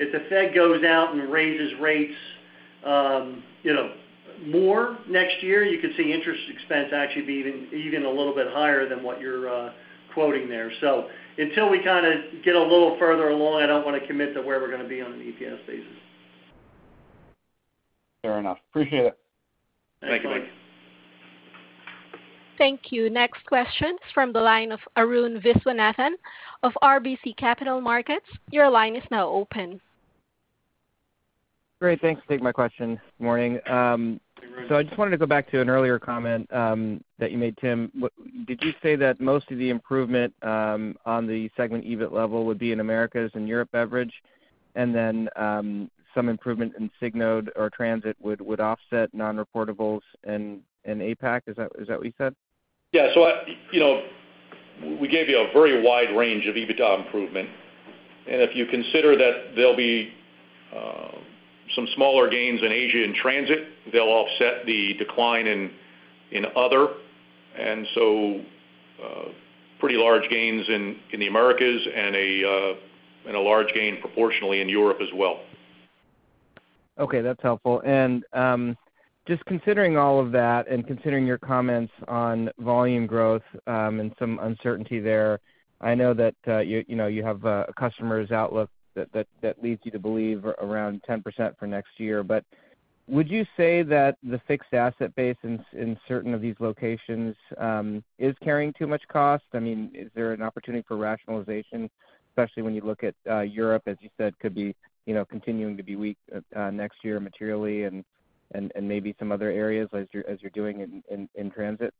If the Fed goes out and raises rates, you know, more next year, you could see interest expense actually be even a little bit higher than what you're quoting there. Until we kinda get a little further along, I don't wanna commit to where we're gonna be on an EPS basis. Fair enough. Appreciate it. Thank you, Mike. Thanks, Mike. Thank you. Next question from the line of Arun Viswanathan of RBC Capital Markets. Your line is now open. Great. Thanks. Great. Thanks for taking my question. Morning. Hey, Arun. I just wanted to go back to an earlier comment that you made, Tim. Did you say that most of the improvement on the segment EBIT level would be in Americas Beverage and European Beverage, and then some improvement in Signode or Transit would offset non-reportables in APAC? Is that what you said? Yeah. I, you know, we gave you a very wide range of EBITDA improvement. If you consider that there'll be some smaller gains in Asia and transit, they'll offset the decline in other. Pretty large gains in the Americas and a large gain proportionally in Europe as well. Okay, that's helpful. Just considering all of that and considering your comments on volume growth and some uncertainty there, I know that you know you have a customer's outlook that leads you to believe around 10% for next year. Would you say that the fixed asset base in certain of these locations is carrying too much cost? I mean, is there an opportunity for rationalization, especially when you look at Europe, as you said could be you know continuing to be weak next year materially and maybe some other areas as you're doing in transit?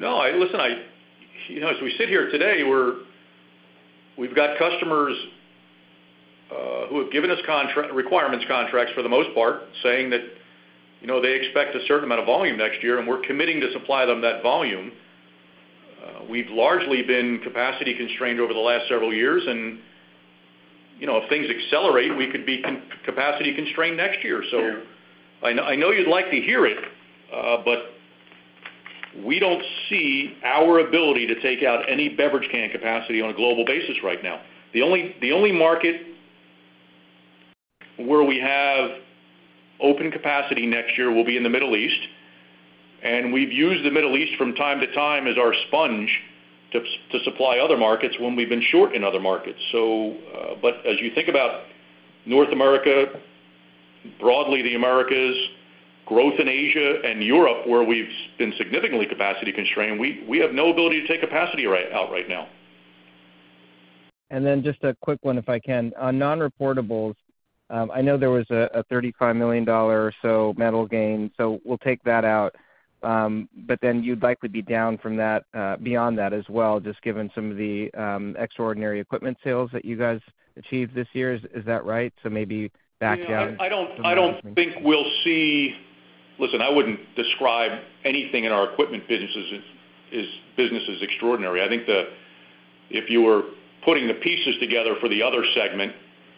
No. Listen, you know, as we sit here today, we've got customers who have given us requirements contracts for the most part, saying that, you know, they expect a certain amount of volume next year, and we're committing to supply them that volume. We've largely been capacity constrained over the last several years and, you know, if things accelerate, we could be capacity constrained next year. Yeah. I know you'd like to hear it, but we don't see our ability to take out any beverage can capacity on a global basis right now. The only market where we have open capacity next year will be in the Middle East, and we've used the Middle East from time to time as our sponge to supply other markets when we've been short in other markets. As you think about North America, broadly the Americas, growth in Asia and Europe, where we've been significantly capacity constrained, we have no ability to take capacity out right now. Then just a quick one if I can. On non-reportables, I know there was a $35 million or so metal gain, so we'll take that out. But then you'd likely be down from that, beyond that as well, just given some of the extraordinary equipment sales that you guys achieved this year. Is that right? So maybe back down from that. You know, I don't think we'll see. Listen, I wouldn't describe anything in our equipment business as anything as extraordinary. I think if you were putting the pieces together for the other segment,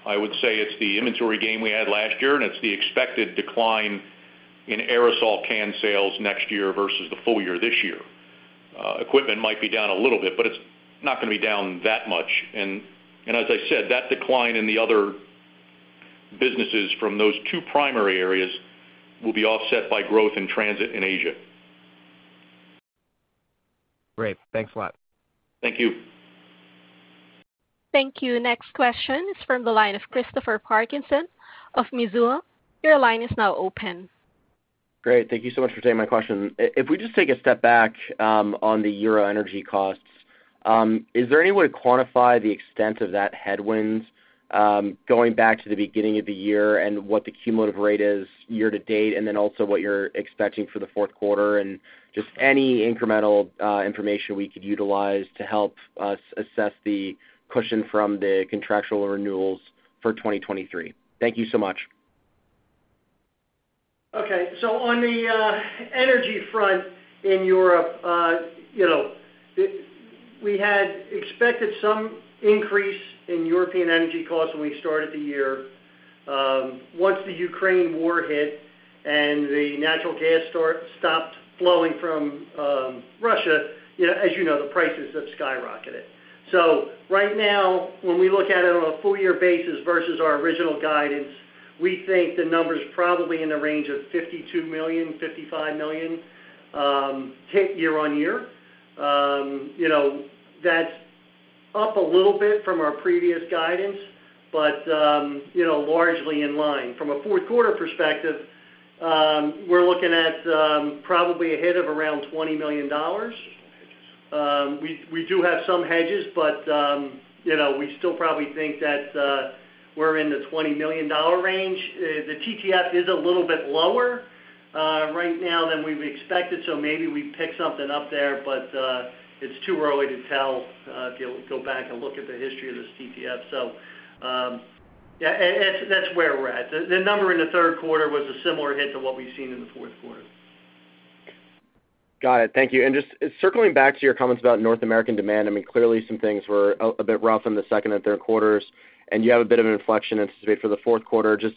I would say it's the inventory gain we had last year, and it's the expected decline in aerosol can sales next year versus the full year this year. Equipment might be down a little bit, but it's not gonna be down that much. As I said, that decline in the other businesses from those two primary areas will be offset by growth in transit in Asia. Great. Thanks a lot. Thank you. Thank you. Next question is from the line of Christopher Parkinson of Mizuho. Your line is now open. Great. Thank you so much for taking my question. If we just take a step back, on the European energy costs, is there any way to quantify the extent of that headwind, going back to the beginning of the year and what the cumulative rate is year to date, and then also what you're expecting for the fourth quarter? Just any incremental information we could utilize to help us assess the cushion from the contractual renewals for 2023. Thank you so much. Okay. On the energy front in Europe, you know, we had expected some increase in European energy costs when we started the year. Once the Ukraine war hit and the natural gas supply stopped flowing from Russia, you know, as you know, the prices have skyrocketed. Right now, when we look at it on a full year basis versus our original guidance, we think the number's probably in the range of $52 million-$55 million hit year-over-year. You know, that's up a little bit from our previous guidance, but you know, largely in line. From a fourth quarter perspective, we're looking at probably a hit of around $20 million. Some hedges. We do have some hedges, but you know, we still probably think that we're in the $20 million range. The TTF is a little bit lower right now than we've expected, so maybe we pick something up there, but it's too early to tell if you go back and look at the history of this TTF. Yeah, and that's where we're at. The number in the third quarter was a similar hit to what we've seen in the fourth quarter. Got it. Thank you. Just circling back to your comments about North American demand, I mean, clearly some things were a bit rough in the second and third quarters, and you have a bit of an inflection anticipate for the fourth quarter. Just,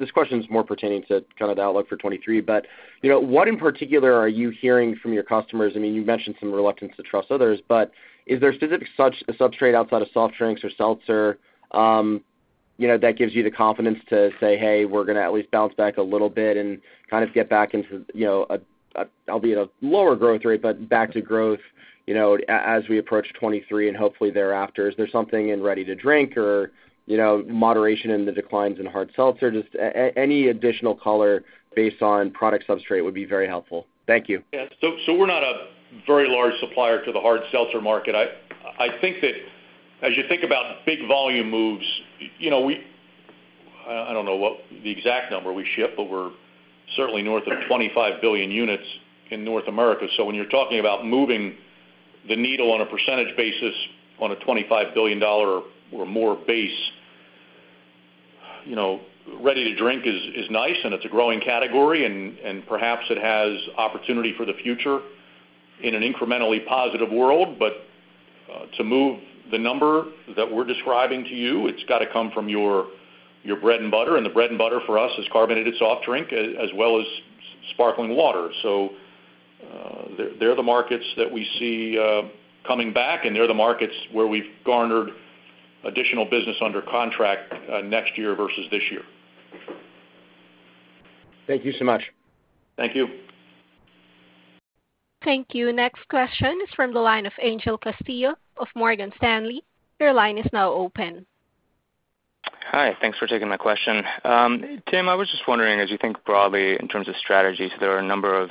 this question is more pertaining to kind of the outlook for 2023. You know, what in particular are you hearing from your customers? I mean, you mentioned some reluctance to trust others, but is there a specific substrate outside of soft drinks or seltzer, you know, that gives you the confidence to say, "Hey, we're gonna at least bounce back a little bit," and kind of get back into, you know, albeit a lower growth rate, but back to growth, you know, as we approach 2023 and hopefully thereafter? Is there something in ready to drink or, you know, moderation in the declines in hard seltzer? Just any additional color based on product substrate would be very helpful. Thank you. We're not a very large supplier to the hard seltzer market. I think that as you think about big volume moves, you know, I don't know what the exact number we ship, but we're certainly north of 25 billion units in North America. When you're talking about moving the needle on a percentage basis on a $25 billion or more base, you know, ready to drink is nice, and it's a growing category and perhaps it has opportunity for the future in an incrementally positive world. To move the number that we're describing to you, it's got to come from your bread and butter, and the bread and butter for us is carbonated soft drink as well as sparkling water. They're the markets that we see coming back, and they're the markets where we've garnered additional business under contract next year versus this year. Thank you so much. Thank you. Thank you. Next question is from the line of Angel Castillo of Morgan Stanley. Your line is now open. Hi. Thanks for taking my question. Tim, I was just wondering, as you think broadly in terms of strategies, there are a number of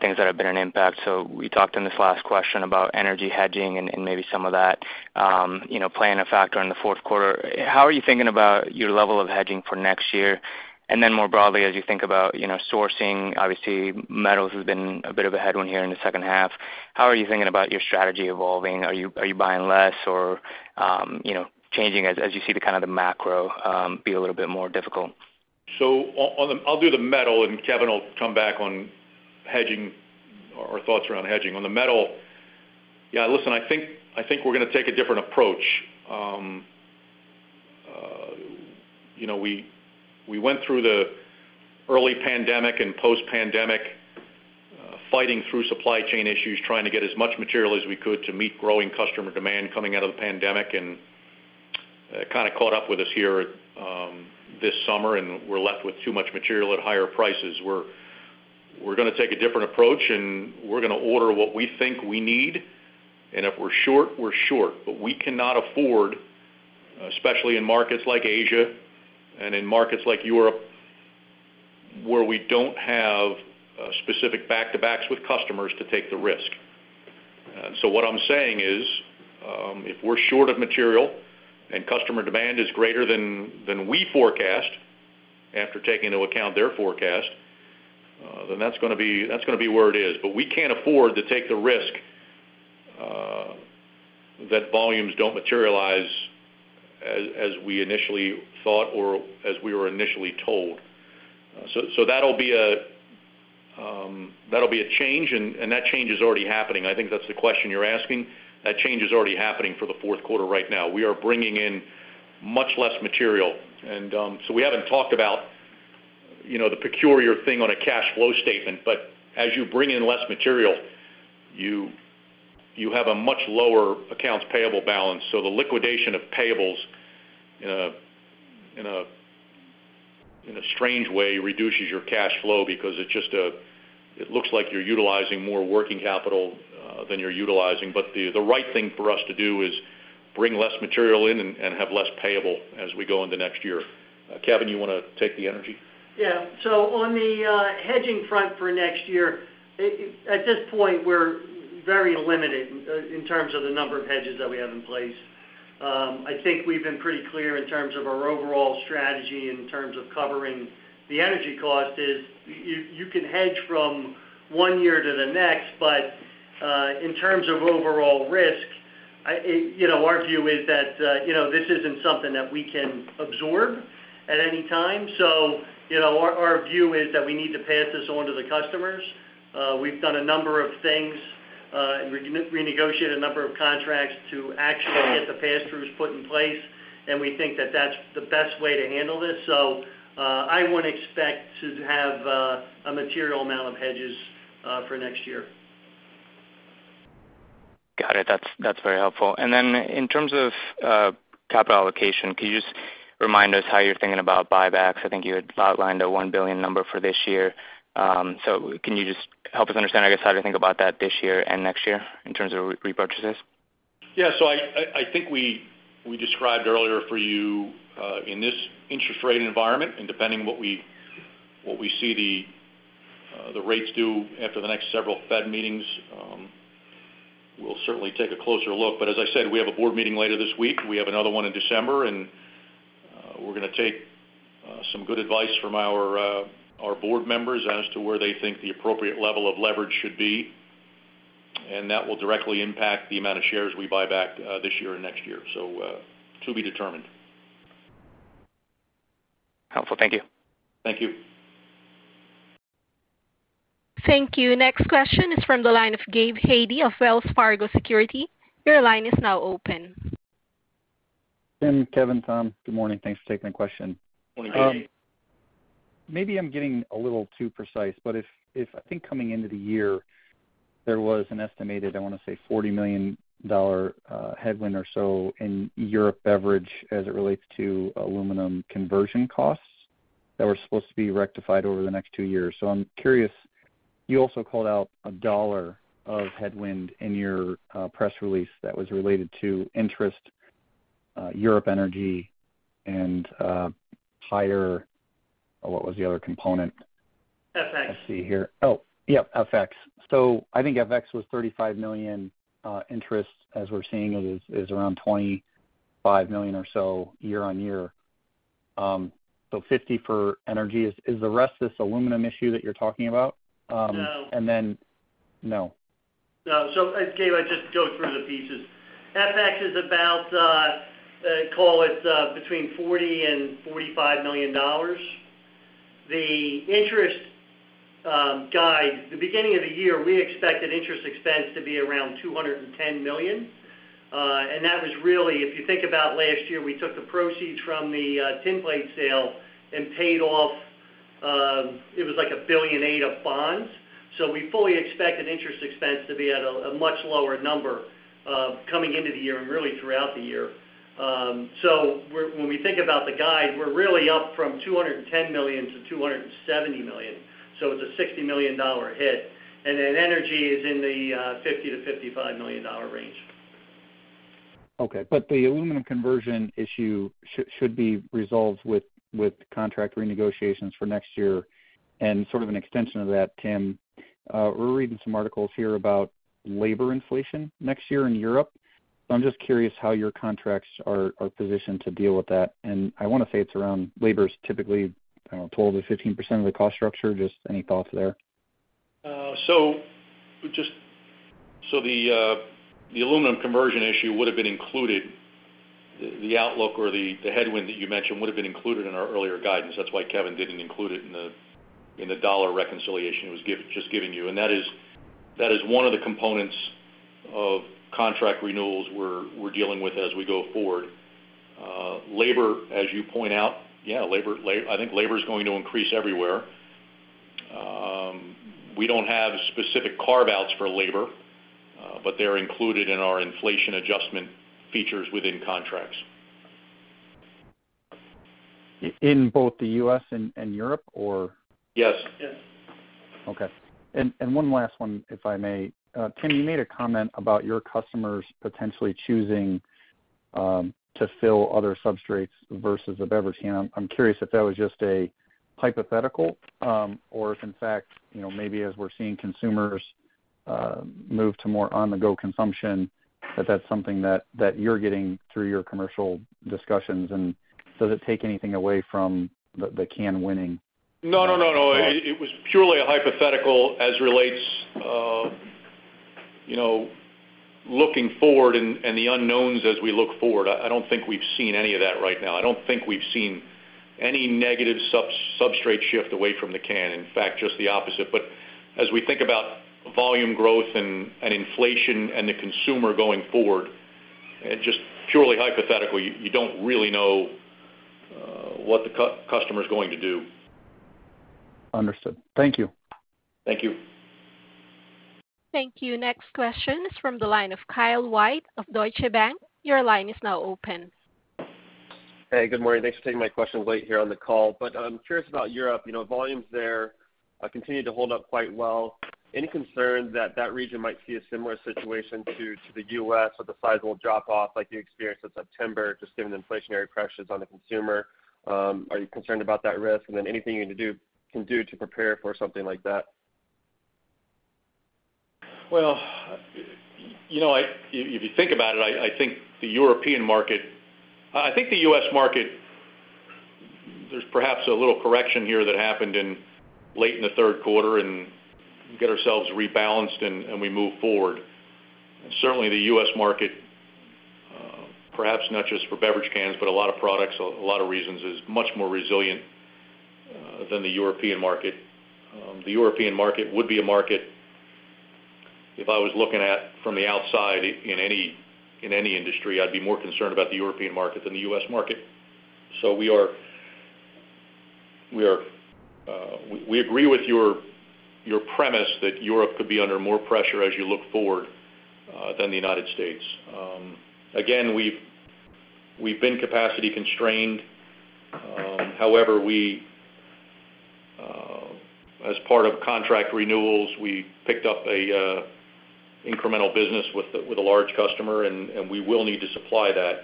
things that have been an impact. We talked in this last question about energy hedging and maybe some of that you know playing a factor in the fourth quarter. How are you thinking about your level of hedging for next year? More broadly, as you think about you know sourcing, obviously metals has been a bit of a headwind here in the second half. How are you thinking about your strategy evolving? Are you buying less or you know changing as you see the kind of the macro be a little bit more difficult? I'll do the metal, and Kevin will come back on hedging or thoughts around hedging. On the metal, yeah, listen, I think we're gonna take a different approach. You know, we went through the early pandemic and post-pandemic, fighting through supply chain issues, trying to get as much material as we could to meet growing customer demand coming out of the pandemic, and it kinda caught up with us here this summer, and we're left with too much material at higher prices. We're gonna take a different approach, and we're gonna order what we think we need. If we're short, we're short. We cannot afford, especially in markets like Asia and in markets like Europe, where we don't have specific back-to-backs with customers to take the risk. What I'm saying is, if we're short of material and customer demand is greater than we forecast after taking into account their forecast, then that's gonna be where it is. We can't afford to take the risk that volumes don't materialize as we initially thought or as we were initially told. That'll be a change, and that change is already happening. I think that's the question you're asking. That change is already happening for the fourth quarter right now. We are bringing in much less material. We haven't talked about, you know, the peculiar thing on a cash flow statement. As you bring in less material, you have a much lower accounts payable balance. The liquidation of payables in a strange way reduces your cash flow because it looks like you're utilizing more working capital than you're utilizing. The right thing for us to do is bring less material in and have less payables as we go into next year. Kevin, you wanna take the energy? On the hedging front for next year, at this point, we're very limited in terms of the number of hedges that we have in place. I think we've been pretty clear in terms of our overall strategy in terms of covering the energy costs as you can hedge from one year to the next, but in terms of overall risk, you know, our view is that you know, this isn't something that we can absorb at any time. You know, our view is that we need to pass this on to the customers. We've done a number of things and renegotiated a number of contracts to actually get the pass-throughs put in place, and we think that that's the best way to handle this. I wouldn't expect to have a material amount of hedges for next year. Got it. That's very helpful. In terms of capital allocation, can you just remind us how you're thinking about buybacks? I think you had outlined a $1 billion number for this year. Can you just help us understand, I guess, how to think about that this year and next year in terms of repurchases? Yeah. I think we described earlier for you in this interest rate environment, and depending what we see the rates do after the next several Fed meetings, we'll certainly take a closer look. As I said, we have a board meeting later this week. We have another one in December. We're gonna take some good advice from our board members as to where they think the appropriate level of leverage should be, and that will directly impact the amount of shares we buy back this year and next year. To be determined. Helpful. Thank you. Thank you. Thank you. Next question is from the line of Gabe Hajde of Wells Fargo Securities. Your line is now open. Tim, Kevin, Tom, good morning. Thanks for taking the question. Morning, Gabe. Maybe I'm getting a little too precise, but if I think coming into the year, there was an estimated, I wanna say, $40 million headwind or so in European Beverage as it relates to aluminum conversion costs that were supposed to be rectified over the next two years. I'm curious, you also called out $1 of headwind in your press release that was related to interest, European energy and higher. What was the other component? FX. Let's see here. Oh, yep, FX. I think FX was $35 million, interest, as we're seeing it, is around $25 million or so year-over-year. $50 million for energy. Is the rest of this aluminum issue that you're talking about? No. No. No, Gabe, I'd just go through the pieces. FX is about, call it, between $40 million and $45 million. The interest guide the beginning of the year we expected interest expense to be around $210 million. That was really, if you think about last year, we took the proceeds from the Tinplate sale and paid off it was like $1.8 billion of bonds. We fully expected interest expense to be at a much lower number coming into the year and really throughout the year. When we think about the guide, we're really up from $210 million to $270 million, so it's a $60 million hit. Energy is in the $50 million-$55 million range. Okay. The aluminum conversion issue should be resolved with contract renegotiations for next year. Sort of an extension of that, Tim, we're reading some articles here about labor inflation next year in Europe. I'm just curious how your contracts are positioned to deal with that. I wanna say it's around labor's typically, I don't know, 12%-15% of the cost structure. Just any thoughts there? The aluminum conversion issue would have been included. The outlook or the headwind that you mentioned would have been included in our earlier guidance. That's why Kevin didn't include it in the dollar reconciliation he was just giving you. That is one of the components of contract renewals we're dealing with as we go forward. Labor, as you point out, yeah, I think labor's going to increase everywhere. We don't have specific carve-outs for labor, but they're included in our inflation adjustment features within contracts. In both the U.S. and Europe or? Yes. Okay. One last one, if I may. Tim, you made a comment about your customers potentially choosing to fill other substrates versus a beverage can. I'm curious if that was just a hypothetical, or if in fact, you know, maybe as we're seeing consumers move to more on-the-go consumption, if that's something that you're getting through your commercial discussions, and does it take anything away from the can winning? No, no. It was purely a hypothetical as relates, you know, looking forward and the unknowns as we look forward. I don't think we've seen any of that right now. I don't think we've seen any negative substrate shift away from the can. In fact, just the opposite. As we think about volume growth and inflation and the consumer going forward, and just purely hypothetical, you don't really know what the customer's going to do. Understood. Thank you. Thank you. Thank you. Next question is from the line of Kyle White of Deutsche Bank. Your line is now open. Hey, good morning. Thanks for taking my question late here on the call. I'm curious about Europe. You know, volumes there continued to hold up quite well. Any concern that region might see a similar situation to the US, with a sizable drop off like you experienced in September, just given the inflationary pressures on the consumer? Are you concerned about that risk? Anything you can do to prepare for something like that? Well, you know, if you think about it, I think the European market. I think the U.S. market, there's perhaps a little correction here that happened late in the third quarter and get ourselves rebalanced, and we move forward. Certainly, the U.S. market, perhaps not just for beverage cans, but a lot of products, a lot of reasons, is much more resilient than the European market. The European market would be a market, if I was looking at from the outside in any industry, I'd be more concerned about the European market than the U.S. market. We agree with your premise that Europe could be under more pressure as you look forward than the United States. Again, we've been capacity constrained. However, as part of contract renewals, we picked up a incremental business with a large customer, and we will need to supply that.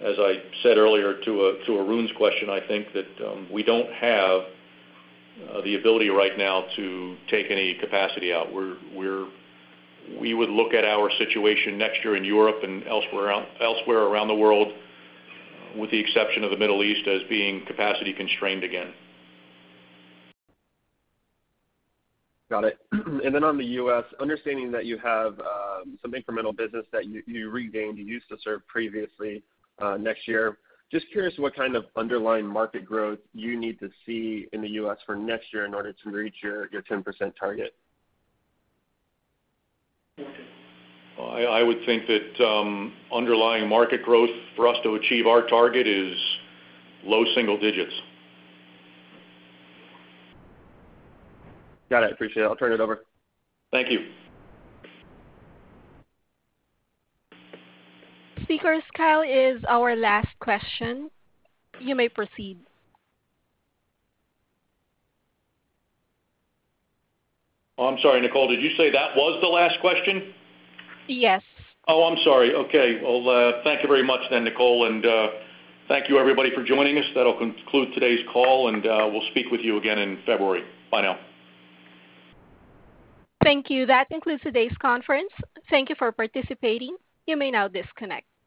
As I said earlier to Arun's question, I think that we don't have the ability right now to take any capacity out. We would look at our situation next year in Europe and elsewhere around the world, with the exception of the Middle East as being capacity constrained again. Got it. On the U.S., understanding that you have some incremental business that you regained, you used to serve previously next year. Just curious what kind of underlying market growth you need to see in the U.S. for next year in order to reach your 10% target. I would think that underlying market growth for us to achieve our target is low single digits. Got it. Appreciate it. I'll turn it over. Thank you. Seekers, Kyle is our last question. You may proceed. Oh, I'm sorry, Nicole. Did you say that was the last question? Yes. Oh, I'm sorry. Okay. Well, thank you very much then, Nicole. Thank you everybody for joining us. That'll conclude today's call, and we'll speak with you again in February. Bye now. Thank you. That concludes today's conference. Thank you for participating. You may now disconnect.